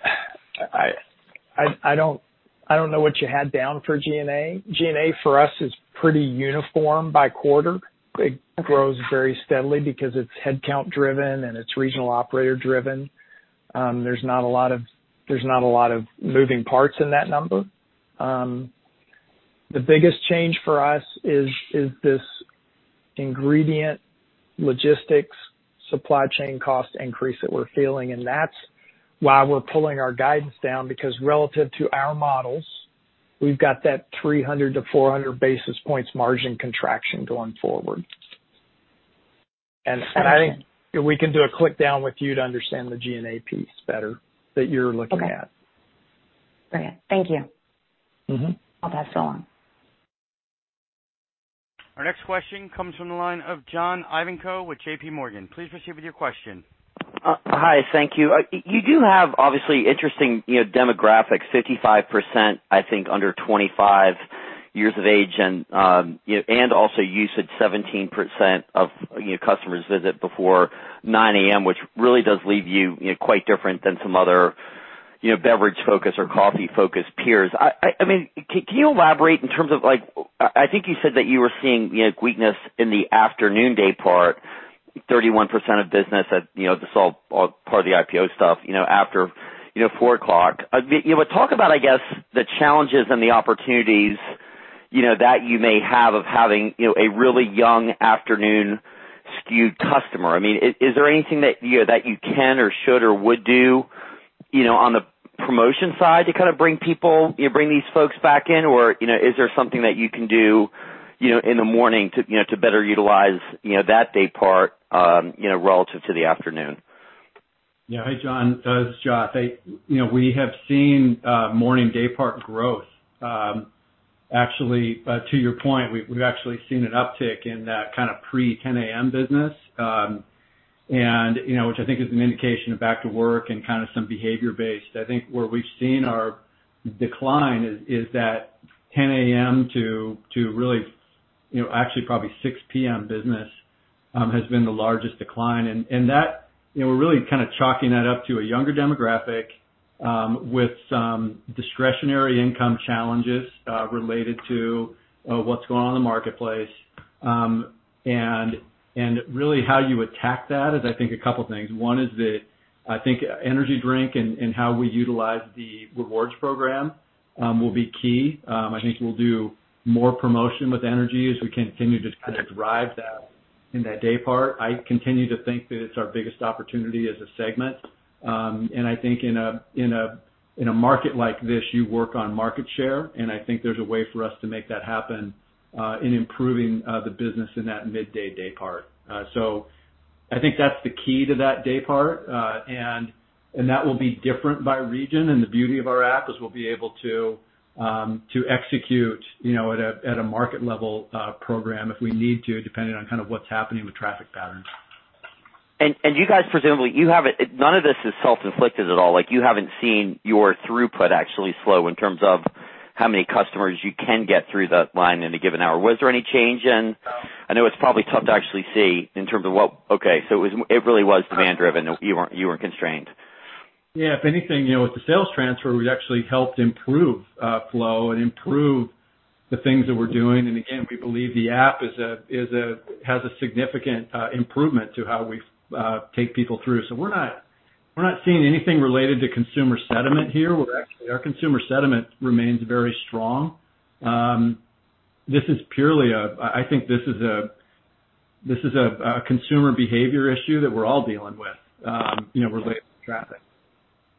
I don't know what you had down for G&A. G&A for us is pretty uniform by quarter. It grows very steadily because it's headcount driven and it's regional operator driven. There's not a lot of moving parts in that number. The biggest change for us is this ingredient logistics supply chain cost increase that we're feeling. That's why we're pulling our guidance down, because relative to our models, we've got that 300 basis points-400 basis points margin contraction going forward. I think we can do a walk down with you to understand the G&A piece better that you're looking at. Okay. Brilliant. Thank you. I'll pass it along. Our next question comes from the line of John Ivankoe with JPMorgan. Please proceed with your question. Hi, thank you. You do have obviously interesting, you know, demographics, 55%, I think, under 25 years of age. Also usage 17% of, you know, customers visit before 9:00 A.M., which really does leave you know, quite different than some other, you know, beverage focused or coffee focused peers. I mean, can you elaborate in terms of like, I think you said that you were seeing, you know, weakness in the afternoon day part, 31% of business at, you know, this, all part of the IPO stuff, you know, after, you know, 4:00 P.M. But talk about, I guess, the challenges and the opportunities, you know, that you may have of having, you know, a really young afternoon skewed customer. I mean, is there anything that, you know, that you can or should or would do, you know, on the promotion side to kind of bring people, you know, bring these folks back in? Or, you know, is there something that you can do, you know, in the morning to, you know, to better utilize, you know, that day part, you know, relative to the afternoon? Yeah. Hey, John Ivankoe, this is Joth Ricci. Hey, you know, we have seen morning daypart growth. Actually, to your point, we've actually seen an uptick in that kind of pre-10 A.M. business, and, you know, which I think is an indication of back to work and kind of some behavior-based. I think where we've seen our decline is that 10 A.M. to really, you know, actually probably 6 P.M. business has been the largest decline. That, you know, we're really kind of chalking that up to a younger demographic with some discretionary income challenges related to what's going on in the marketplace. Really how you attack that is, I think, a couple things. One is that I think energy drink and how we utilize the rewards program will be key. I think we'll do more promotion with energy as we continue to kind of drive that in that day part. I continue to think that it's our biggest opportunity as a segment. I think in a market like this, you work on market share, and I think there's a way for us to make that happen, in improving the business in that midday day part. So I think that's the key to that day part. That will be different by region. The beauty of our app is we'll be able to execute, you know, at a market level program if we need to, depending on kind of what's happening with traffic patterns. You guys, presumably you haven't, none of this is self-inflicted at all. Like, you haven't seen your throughput actually slow in terms of how many customers you can get through the line in a given hour. Was there any change? I know it's probably tough to actually see in terms of what. Okay, so it really was demand driven. You weren't constrained. Yeah. If anything, you know, with the sales transfer, we actually helped improve flow and improve the things that we're doing. Again, we believe the app has a significant improvement to how we take people through. We're not seeing anything related to consumer sentiment here, where actually our consumer sentiment remains very strong. This is purely a consumer behavior issue that we're all dealing with, you know, related to traffic. Understood.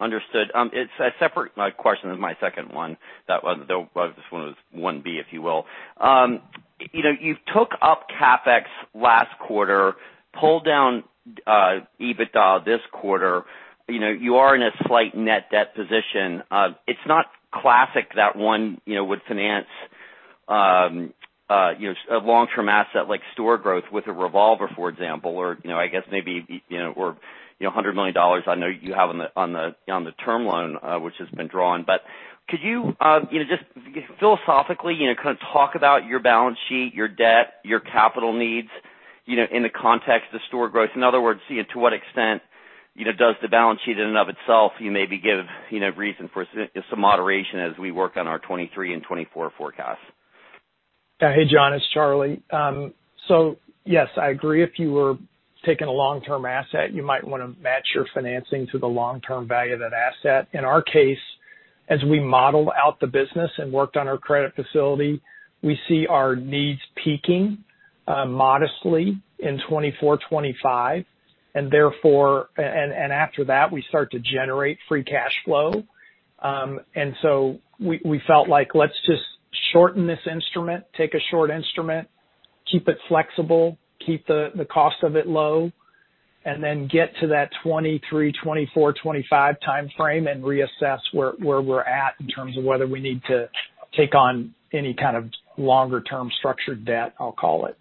It's a separate question than my second one. This one was one B, if you will. You know, you took up CapEx last quarter, pulled down EBITDA this quarter. You know, you are in a slight net debt position. It's not classic that one, you know, would finance, you know, a long-term asset like store growth with a revolver, for example. Or, you know, I guess maybe, you know, or, you know, $100 million I know you have on the term loan, which has been drawn. Could you know, just philosophically, you know, kind of talk about your balance sheet, your debt, your capital needs, you know, in the context of store growth? In other words, you know, to what extent, you know, does the balance sheet in and of itself give you maybe, you know, reason for some moderation as we work on our 2023 and 2024 forecasts? Hey, John, it's Charley. Yes, I agree. If you were taking a long-term asset, you might wanna match your financing to the long-term value of that asset. In our case, as we model out the business and worked on our credit facility, we see our needs peaking modestly in 2024, 2025. After that, we start to generate free cash flow. We felt like let's just shorten this instrument, take a short instrument, keep it flexible, keep the cost of it low, and then get to that 2023, 2024, 2025 timeframe and reassess where we're at in terms of whether we need to take on any kind of longer term structured debt, I'll call it.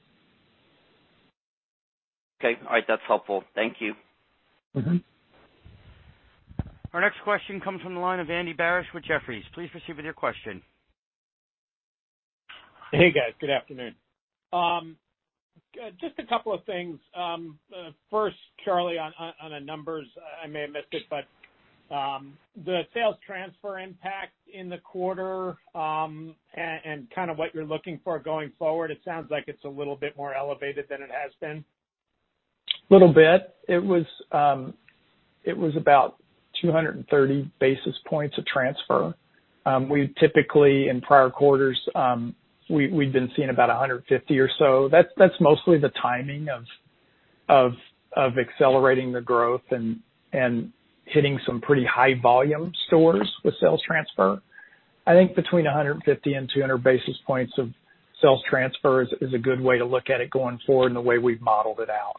Okay. All right. That's helpful. Thank you. Our next question comes from the line of Andy Barish with Jefferies. Please proceed with your question. Hey, guys. Good afternoon. Just a couple of things. First, Charley, on the numbers, I may have missed it, but the sales transfer impact in the quarter, and kind of what you're looking for going forward, it sounds like it's a little bit more elevated than it has been. Little bit. It was about 230 basis points of transfer. We typically in prior quarters, we'd been seeing about 150 or so. That's mostly the timing of accelerating the growth and hitting some pretty high volume stores with sales transfer. I think between 150 and 200 basis points of sales transfer is a good way to look at it going forward and the way we've modeled it out.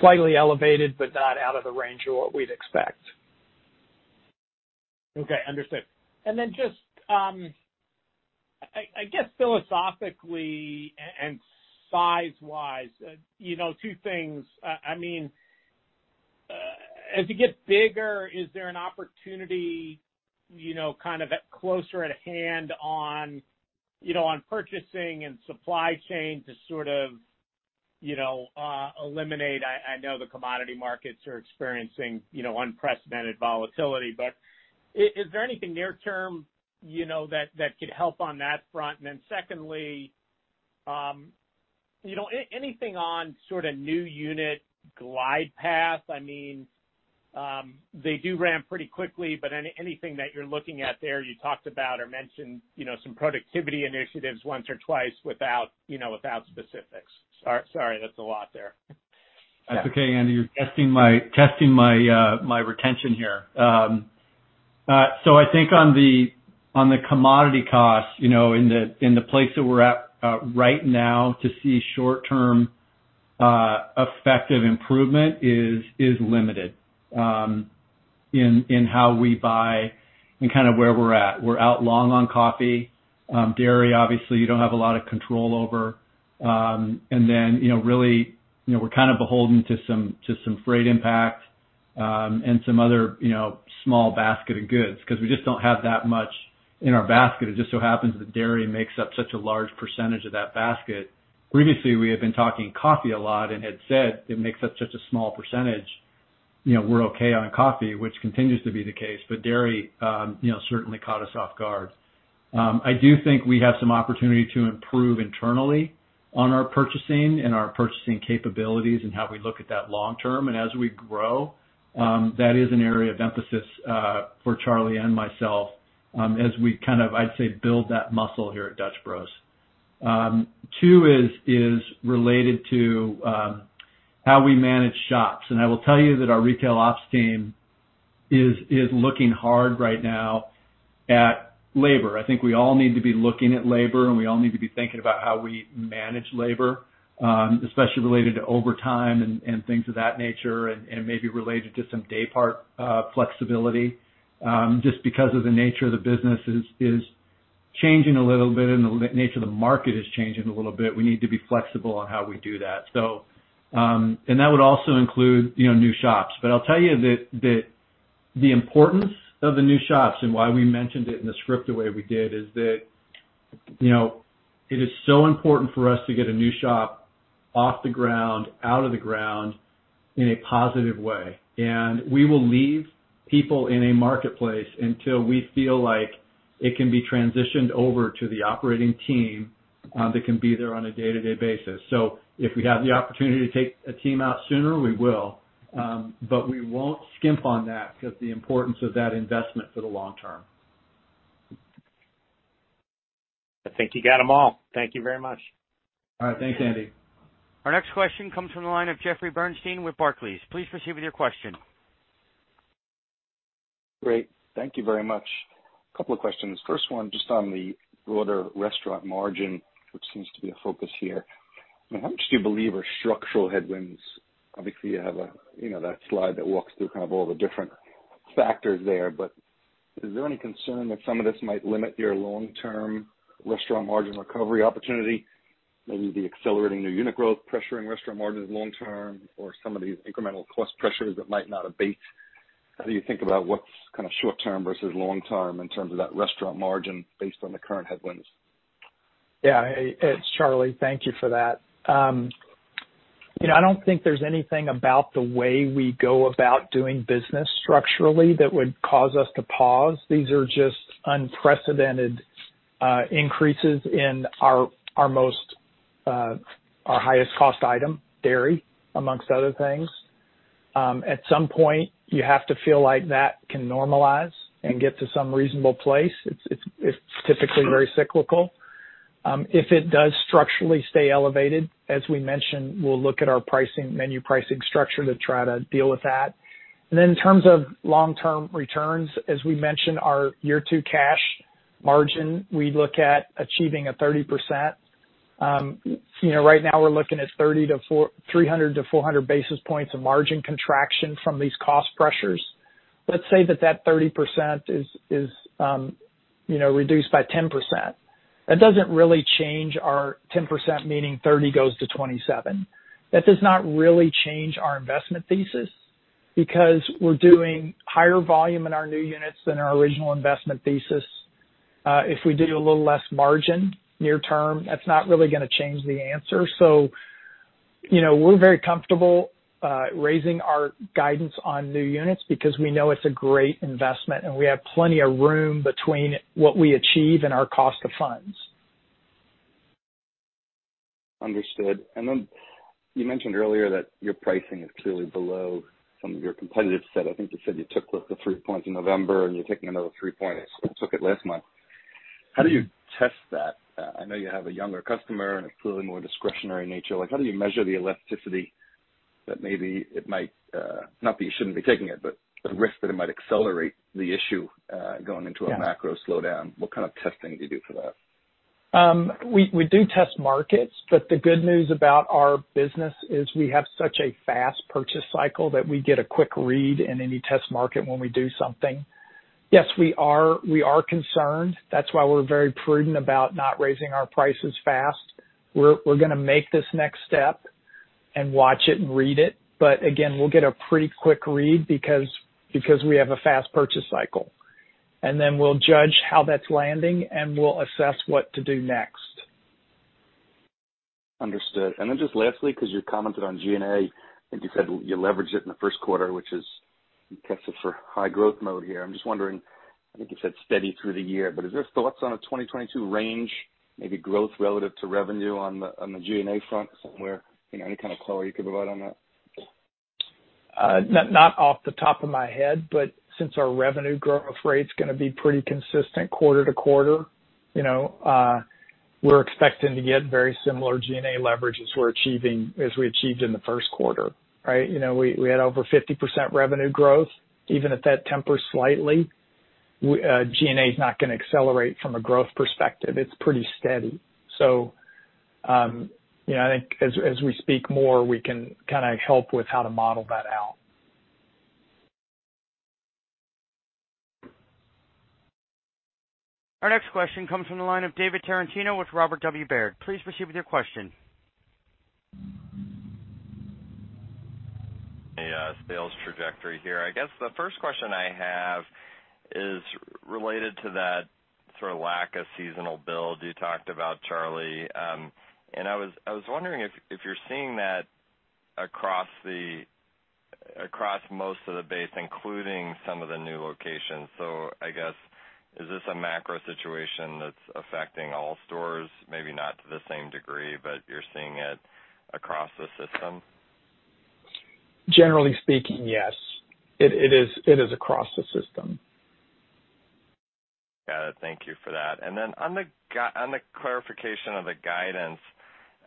Slightly elevated but not out of the range of what we'd expect. Okay, understood. Just, I guess philosophically and size-wise, you know, two things. I mean, as you get bigger, is there an opportunity, you know, kind of at closer at hand on, you know, on purchasing and supply chain to sort of, you know, eliminate. I know the commodity markets are experiencing, you know, unprecedented volatility. Is there anything near term, you know, that could help on that front? Secondly, you know, anything on sort of new unit glide path? I mean, they do ramp pretty quickly, but anything that you're looking at there you talked about or mentioned, you know, some productivity initiatives once or twice without, you know, without specifics. Sorry that's a lot there. That's okay, Andy. You're testing my retention here. I think on the commodity costs, you know, in the place that we're at right now to see short-term effective improvement is limited in how we buy and kind of where we're at. We're out long on coffee. Dairy, obviously you don't have a lot of control over. You know, really, you know, we're kind of beholden to some freight impact and some other, you know, small basket of goods because we just don't have that much in our basket. It just so happens that dairy makes up such a large percentage of that basket. Previously, we had been talking coffee a lot and had said it makes up such a small percentage, you know, we're okay on coffee, which continues to be the case. Dairy, you know, certainly caught us off guard. I do think we have some opportunity to improve internally on our purchasing and our purchasing capabilities and how we look at that long term. As we grow, that is an area of emphasis for Charley and myself as we kind of, I'd say, build that muscle here at Dutch Bros. Two is related to how we manage shops. I will tell you that our retail ops team is looking hard right now at labor. I think we all need to be looking at labor, and we all need to be thinking about how we manage labor, especially related to overtime and things of that nature and maybe related to some day part flexibility. Just because of the nature of the business is changing a little bit and the nature of the market is changing a little bit. We need to be flexible on how we do that. That would also include, you know, new shops. I'll tell you that the importance of the new shops and why we mentioned it in the script the way we did is that, you know, it is so important for us to get a new shop off the ground, out of the ground in a positive way. We will leave people in a marketplace until we feel like it can be transitioned over to the operating team, that can be there on a day-to-day basis. If we have the opportunity to take a team out sooner, we will. We won't skimp on that because the importance of that investment for the long term. I think you got them all. Thank you very much. All right. Thanks, Andy. Our next question comes from the line of Jeffrey Bernstein with Barclays. Please proceed with your question. Great. Thank you very much. A couple of questions. First one, just on the broader restaurant margin, which seems to be a focus here. How much do you believe are structural headwinds? Obviously, you have a, you know, that slide that walks through kind of all the different factors there. Is there any concern that some of this might limit your long-term restaurant margin recovery opportunity, maybe the accelerating new unit growth pressuring restaurant margins long term or some of these incremental cost pressures that might not abate? How do you think about what's kind of short term versus long term in terms of that restaurant margin based on the current headwinds? Yeah. It's Charley, thank you for that. You know, I don't think there's anything about the way we go about doing business structurally that would cause us to pause. These are just unprecedented increases in our highest cost item, dairy, among other things. At some point, you have to feel like that can normalize and get to some reasonable place. It's typically very cyclical. If it does structurally stay elevated, as we mentioned, we'll look at our pricing, menu pricing structure to try to deal with that. In terms of long-term returns, as we mentioned, our year two cash margin, we look at achieving a 30%. You know, right now we're looking at 300 basis points-400 basis points of margin contraction from these cost pressures. Let's say that 30% is, you know, reduced by 10%. That doesn't really change our 10% meaning 30 goes to 27. That does not really change our investment thesis because we're doing higher volume in our new units than our original investment thesis. If we do a little less margin near term, that's not really gonna change the answer. You know, we're very comfortable raising our guidance on new units because we know it's a great investment, and we have plenty of room between what we achieve and our cost of funds. Understood. Then you mentioned earlier that your pricing is clearly below some of your competitive set. I think you said you took, what, the three points in November and you're taking another three points. You took it last month. How do you test that? I know you have a younger customer and a clearly more discretionary nature. Like, how do you measure the elasticity that maybe it might, not that you shouldn't be taking it, but the risk that it might accelerate the issue, going into a macro slowdown. What kind of testing do you do for that? We do test markets, but the good news about our business is we have such a fast purchase cycle that we get a quick read in any test market when we do something. Yes, we are concerned. That's why we're very prudent about not raising our prices fast. We're gonna make this next step and watch it and read it. Again, we'll get a pretty quick read because we have a fast purchase cycle. Then we'll judge how that's landing, and we'll assess what to do next. Understood. Then just lastly, because you commented on G&A, I think you said you leveraged it in the first quarter, which is you tested for high growth mode here. I'm just wondering, I think you said steady through the year, but is there thoughts on a 2022 range, maybe growth relative to revenue on the G&A front somewhere? You know, any kind of color you could provide on that? Not off the top of my head, but since our revenue growth rate's gonna be pretty consistent quarter to quarter, you know, we're expecting to get very similar G&A leverage as we're achieving as we achieved in the first quarter, right? You know, we had over 50% revenue growth. Even if that tempers slightly, G&A is not gonna accelerate from a growth perspective. It's pretty steady. You know, I think as we speak more, we can kinda help with how to model that out. Our next question comes from the line of David Tarantino with Robert W. Baird & Co. Please proceed with your question. Sales trajectory here. I guess the first question I have is related to that sort of lack of seasonal build you talked about, Charley. I was wondering if you're seeing that across most of the base, including some of the new locations. I guess, is this a macro situation that's affecting all stores, maybe not to the same degree, but you're seeing it across the system? Generally speaking, yes. It is across the system. Got it. Thank you for that. Then on the clarification of the guidance,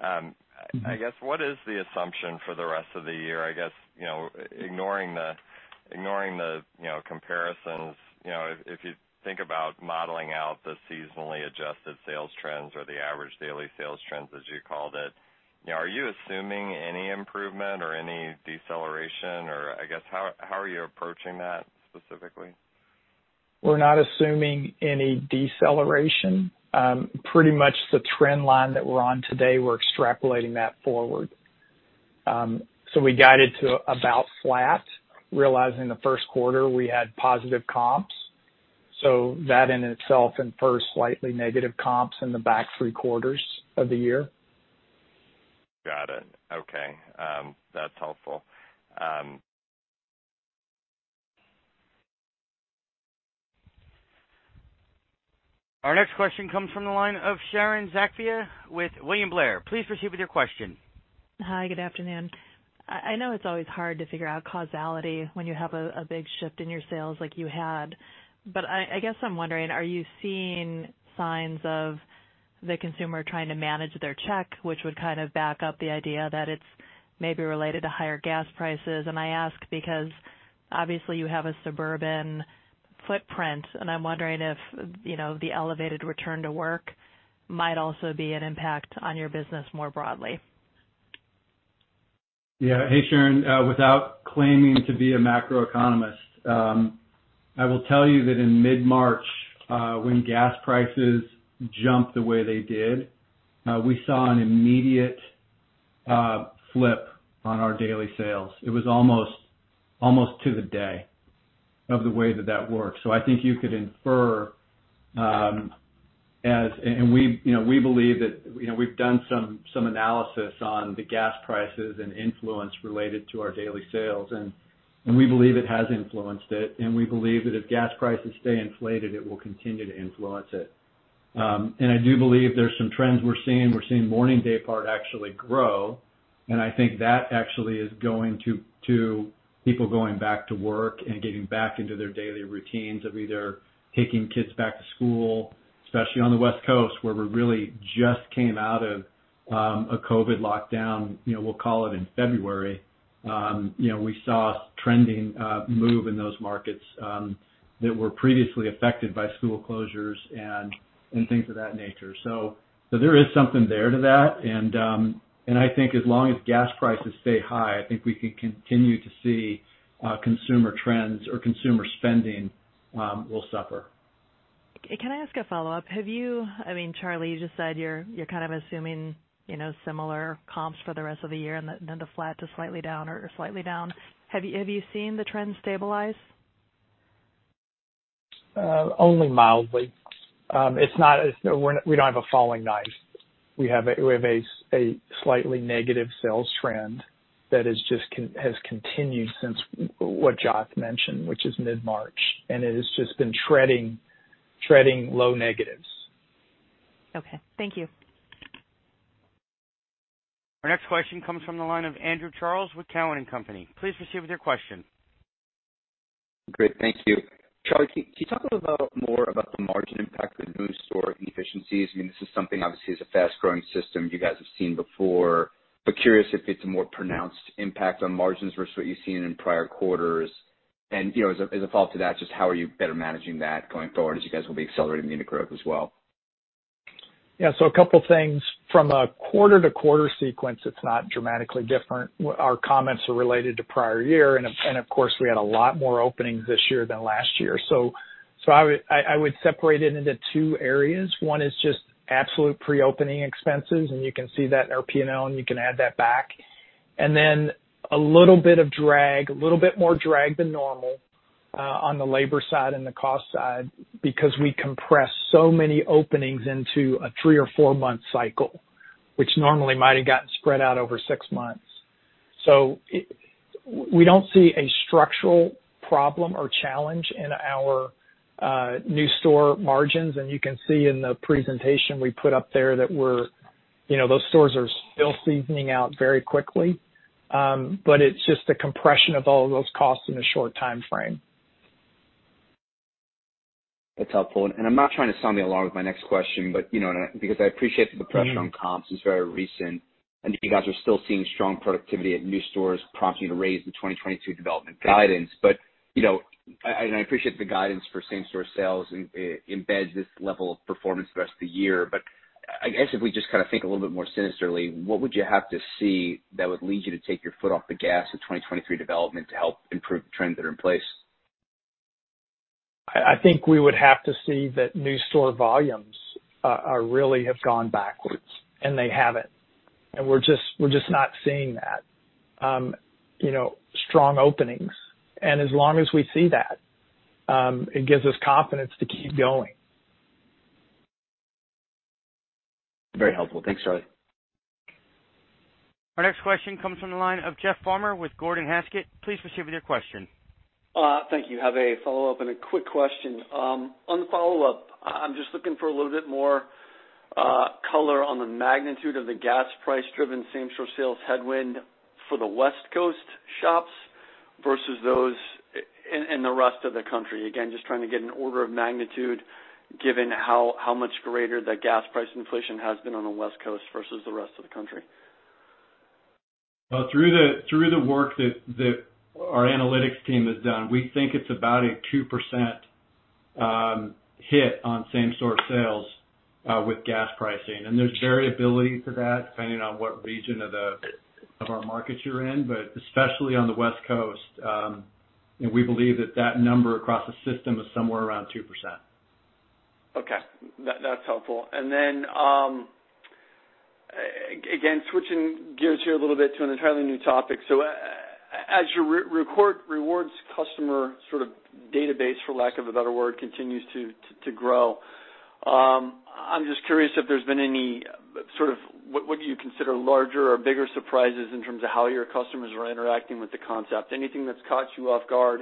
I guess what is the assumption for the rest of the year? I guess, you know, ignoring the you know, comparisons, you know, if you think about modeling out the seasonally adjusted sales trends or the average daily sales trends as you called it, you know, are you assuming any improvement or any deceleration or I guess, how are you approaching that specifically? We're not assuming any deceleration. Pretty much the trend line that we're on today, we're extrapolating that forward. We guided to about flat, realizing the first quarter we had positive comps. That in itself infers slightly negative comps in the back three quarters of the year. Got it. Okay. That's helpful. Our next question comes from the line of Sharon Zackfia with William Blair. Please proceed with your question. Hi, good afternoon. I know it's always hard to figure out causality when you have a big shift in your sales like you had, but I guess I'm wondering, are you seeing signs of the consumer trying to manage their check, which would kind of back up the idea that it's maybe related to higher gas prices? I ask because obviously you have a suburban footprint, and I'm wondering if, you know, the elevated return to work might also be an impact on your business more broadly. Yeah. Hey, Sharon. Without claiming to be a macroeconomist, I will tell you that in mid-March, when gas prices jumped the way they did, we saw an immediate flip on our daily sales. It was almost to the day of the way that worked. I think you could infer we believe that, you know, we've done some analysis on the gas prices and influence related to our daily sales, and we believe it has influenced it, and we believe that if gas prices stay inflated, it will continue to influence it. I do believe there's some trends we're seeing. We're seeing morning daypart actually grow, and I think that actually is going to people going back to work and getting back into their daily routines of either taking kids back to school, especially on the West Coast, where we really just came out of a COVID lockdown, you know, we'll call it in February. We saw trending move in those markets that were previously affected by school closures and things of that nature. There is something there to that. I think as long as gas prices stay high, I think we can continue to see consumer trends or consumer spending will suffer. Can I ask a follow-up? Have you, I mean, Charley, you just said you're kind of assuming, you know, similar comps for the rest of the year and then to flat to slightly down or slightly down. Have you seen the trend stabilize? Only mildly. It's not. We're not, we don't have a falling knife. We have a slightly negative sales trend that has just continued since what Joth mentioned, which is mid-March. It has just been treading low negatives. Okay. Thank you. Our next question comes from the line of Andrew Charles with Cowen and Company. Please proceed with your question. Great. Thank you. Charley, can you talk a little about, more about the margin impact of new store inefficiencies? I mean, this is something obviously is a fast-growing system you guys have seen before. Curious if it's a more pronounced impact on margins versus what you've seen in prior quarters. You know, as a follow-up to that, just how are you better managing that going forward as you guys will be accelerating unit growth as well? Yeah. A couple things. From a quarter-to-quarter sequence, it's not dramatically different. Our comments are related to prior year. Of course, we had a lot more openings this year than last year. I would separate it into two areas. One is just absolute pre-opening expenses, and you can see that in our P&L, and you can add that back. Then a little bit of drag, a little bit more drag than normal on the labor side and the cost side because we compress so many openings into a 3 or 4-month cycle, which normally might've gotten spread out over 6 months. We don't see a structural problem or challenge in our new store margins. You can see in the presentation we put up there that we're, you know, those stores are still seasoning out very quickly. It's just a compression of all of those costs in a short timeframe. That's helpful. I'm not trying to sound the alarm with my next question, but, you know, because I appreciate that the pressure on comps is very recent, and you guys are still seeing strong productivity at new stores prompting you to raise the 2022 development guidance. You know, and I appreciate the guidance for same-store sales embeds this level of performance the rest of the year. I guess if we just kind of think a little bit more sinisterly, what would you have to see that would lead you to take your foot off the gas at 2023 development to help improve the trends that are in place? I think we would have to see that new store volumes really have gone backwards, and they haven't. We're just not seeing that. You know, strong openings. As long as we see that, it gives us confidence to keep going. Very helpful. Thanks, Charley. Our next question comes from the line of Jeff Farmer with Gordon Haskett. Please proceed with your question. Thank you. Have a follow-up and a quick question. On the follow-up, I'm just looking for a little bit more color on the magnitude of the gas price driven same shop sales headwind for the West Coast shops versus those in the rest of the country. Again, just trying to get an order of magnitude given how much greater the gas price inflation has been on the West Coast versus the rest of the country. Through the work that our analytics team has done, we think it's about a 2% hit on same shop sales with gas pricing. There's variability to that depending on what region of our markets you're in. Especially on the West Coast, and we believe that number across the system is somewhere around 2%. Okay. That's helpful. Switching gears here a little bit to an entirely new topic. As your Dutch Rewards customer sort of database, for lack of a better word, continues to grow, I'm just curious if there's been any sort of what do you consider larger or bigger surprises in terms of how your customers are interacting with the concept? Anything that's caught you off guard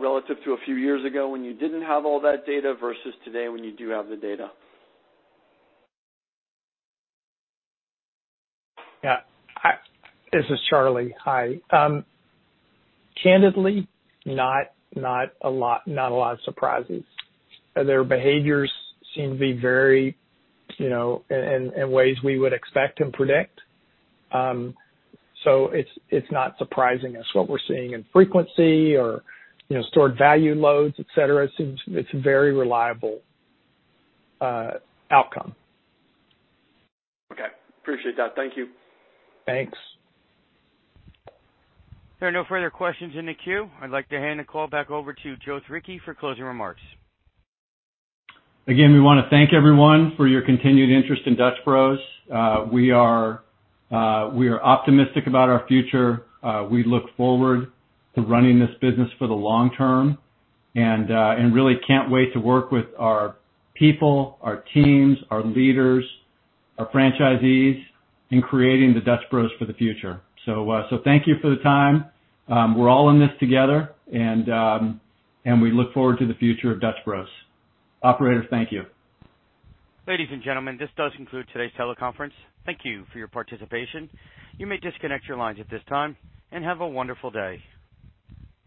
relative to a few years ago when you didn't have all that data versus today when you do have the data? This is Charley. Hi. Candidly, not a lot of surprises. Their behaviors seem to be very, you know, in ways we would expect and predict. It's not surprising us what we're seeing in frequency or, you know, stored value loads, et cetera. It seems it's a very reliable outcome. Okay. Appreciate that. Thank you. Thanks. There are no further questions in the queue. I'd like to hand the call back over to Joth Ricci for closing remarks. Again, we wanna thank everyone for your continued interest in Dutch Bros. We are optimistic about our future. We look forward to running this business for the long term and really can't wait to work with our people, our teams, our leaders, our franchisees in creating the Dutch Bros for the future. Thank you for the time. We're all in this together and we look forward to the future of Dutch Bros. Operator, thank you. Ladies and gentlemen, this does conclude today's teleconference. Thank you for your participation. You may disconnect your lines at this time, and have a wonderful day.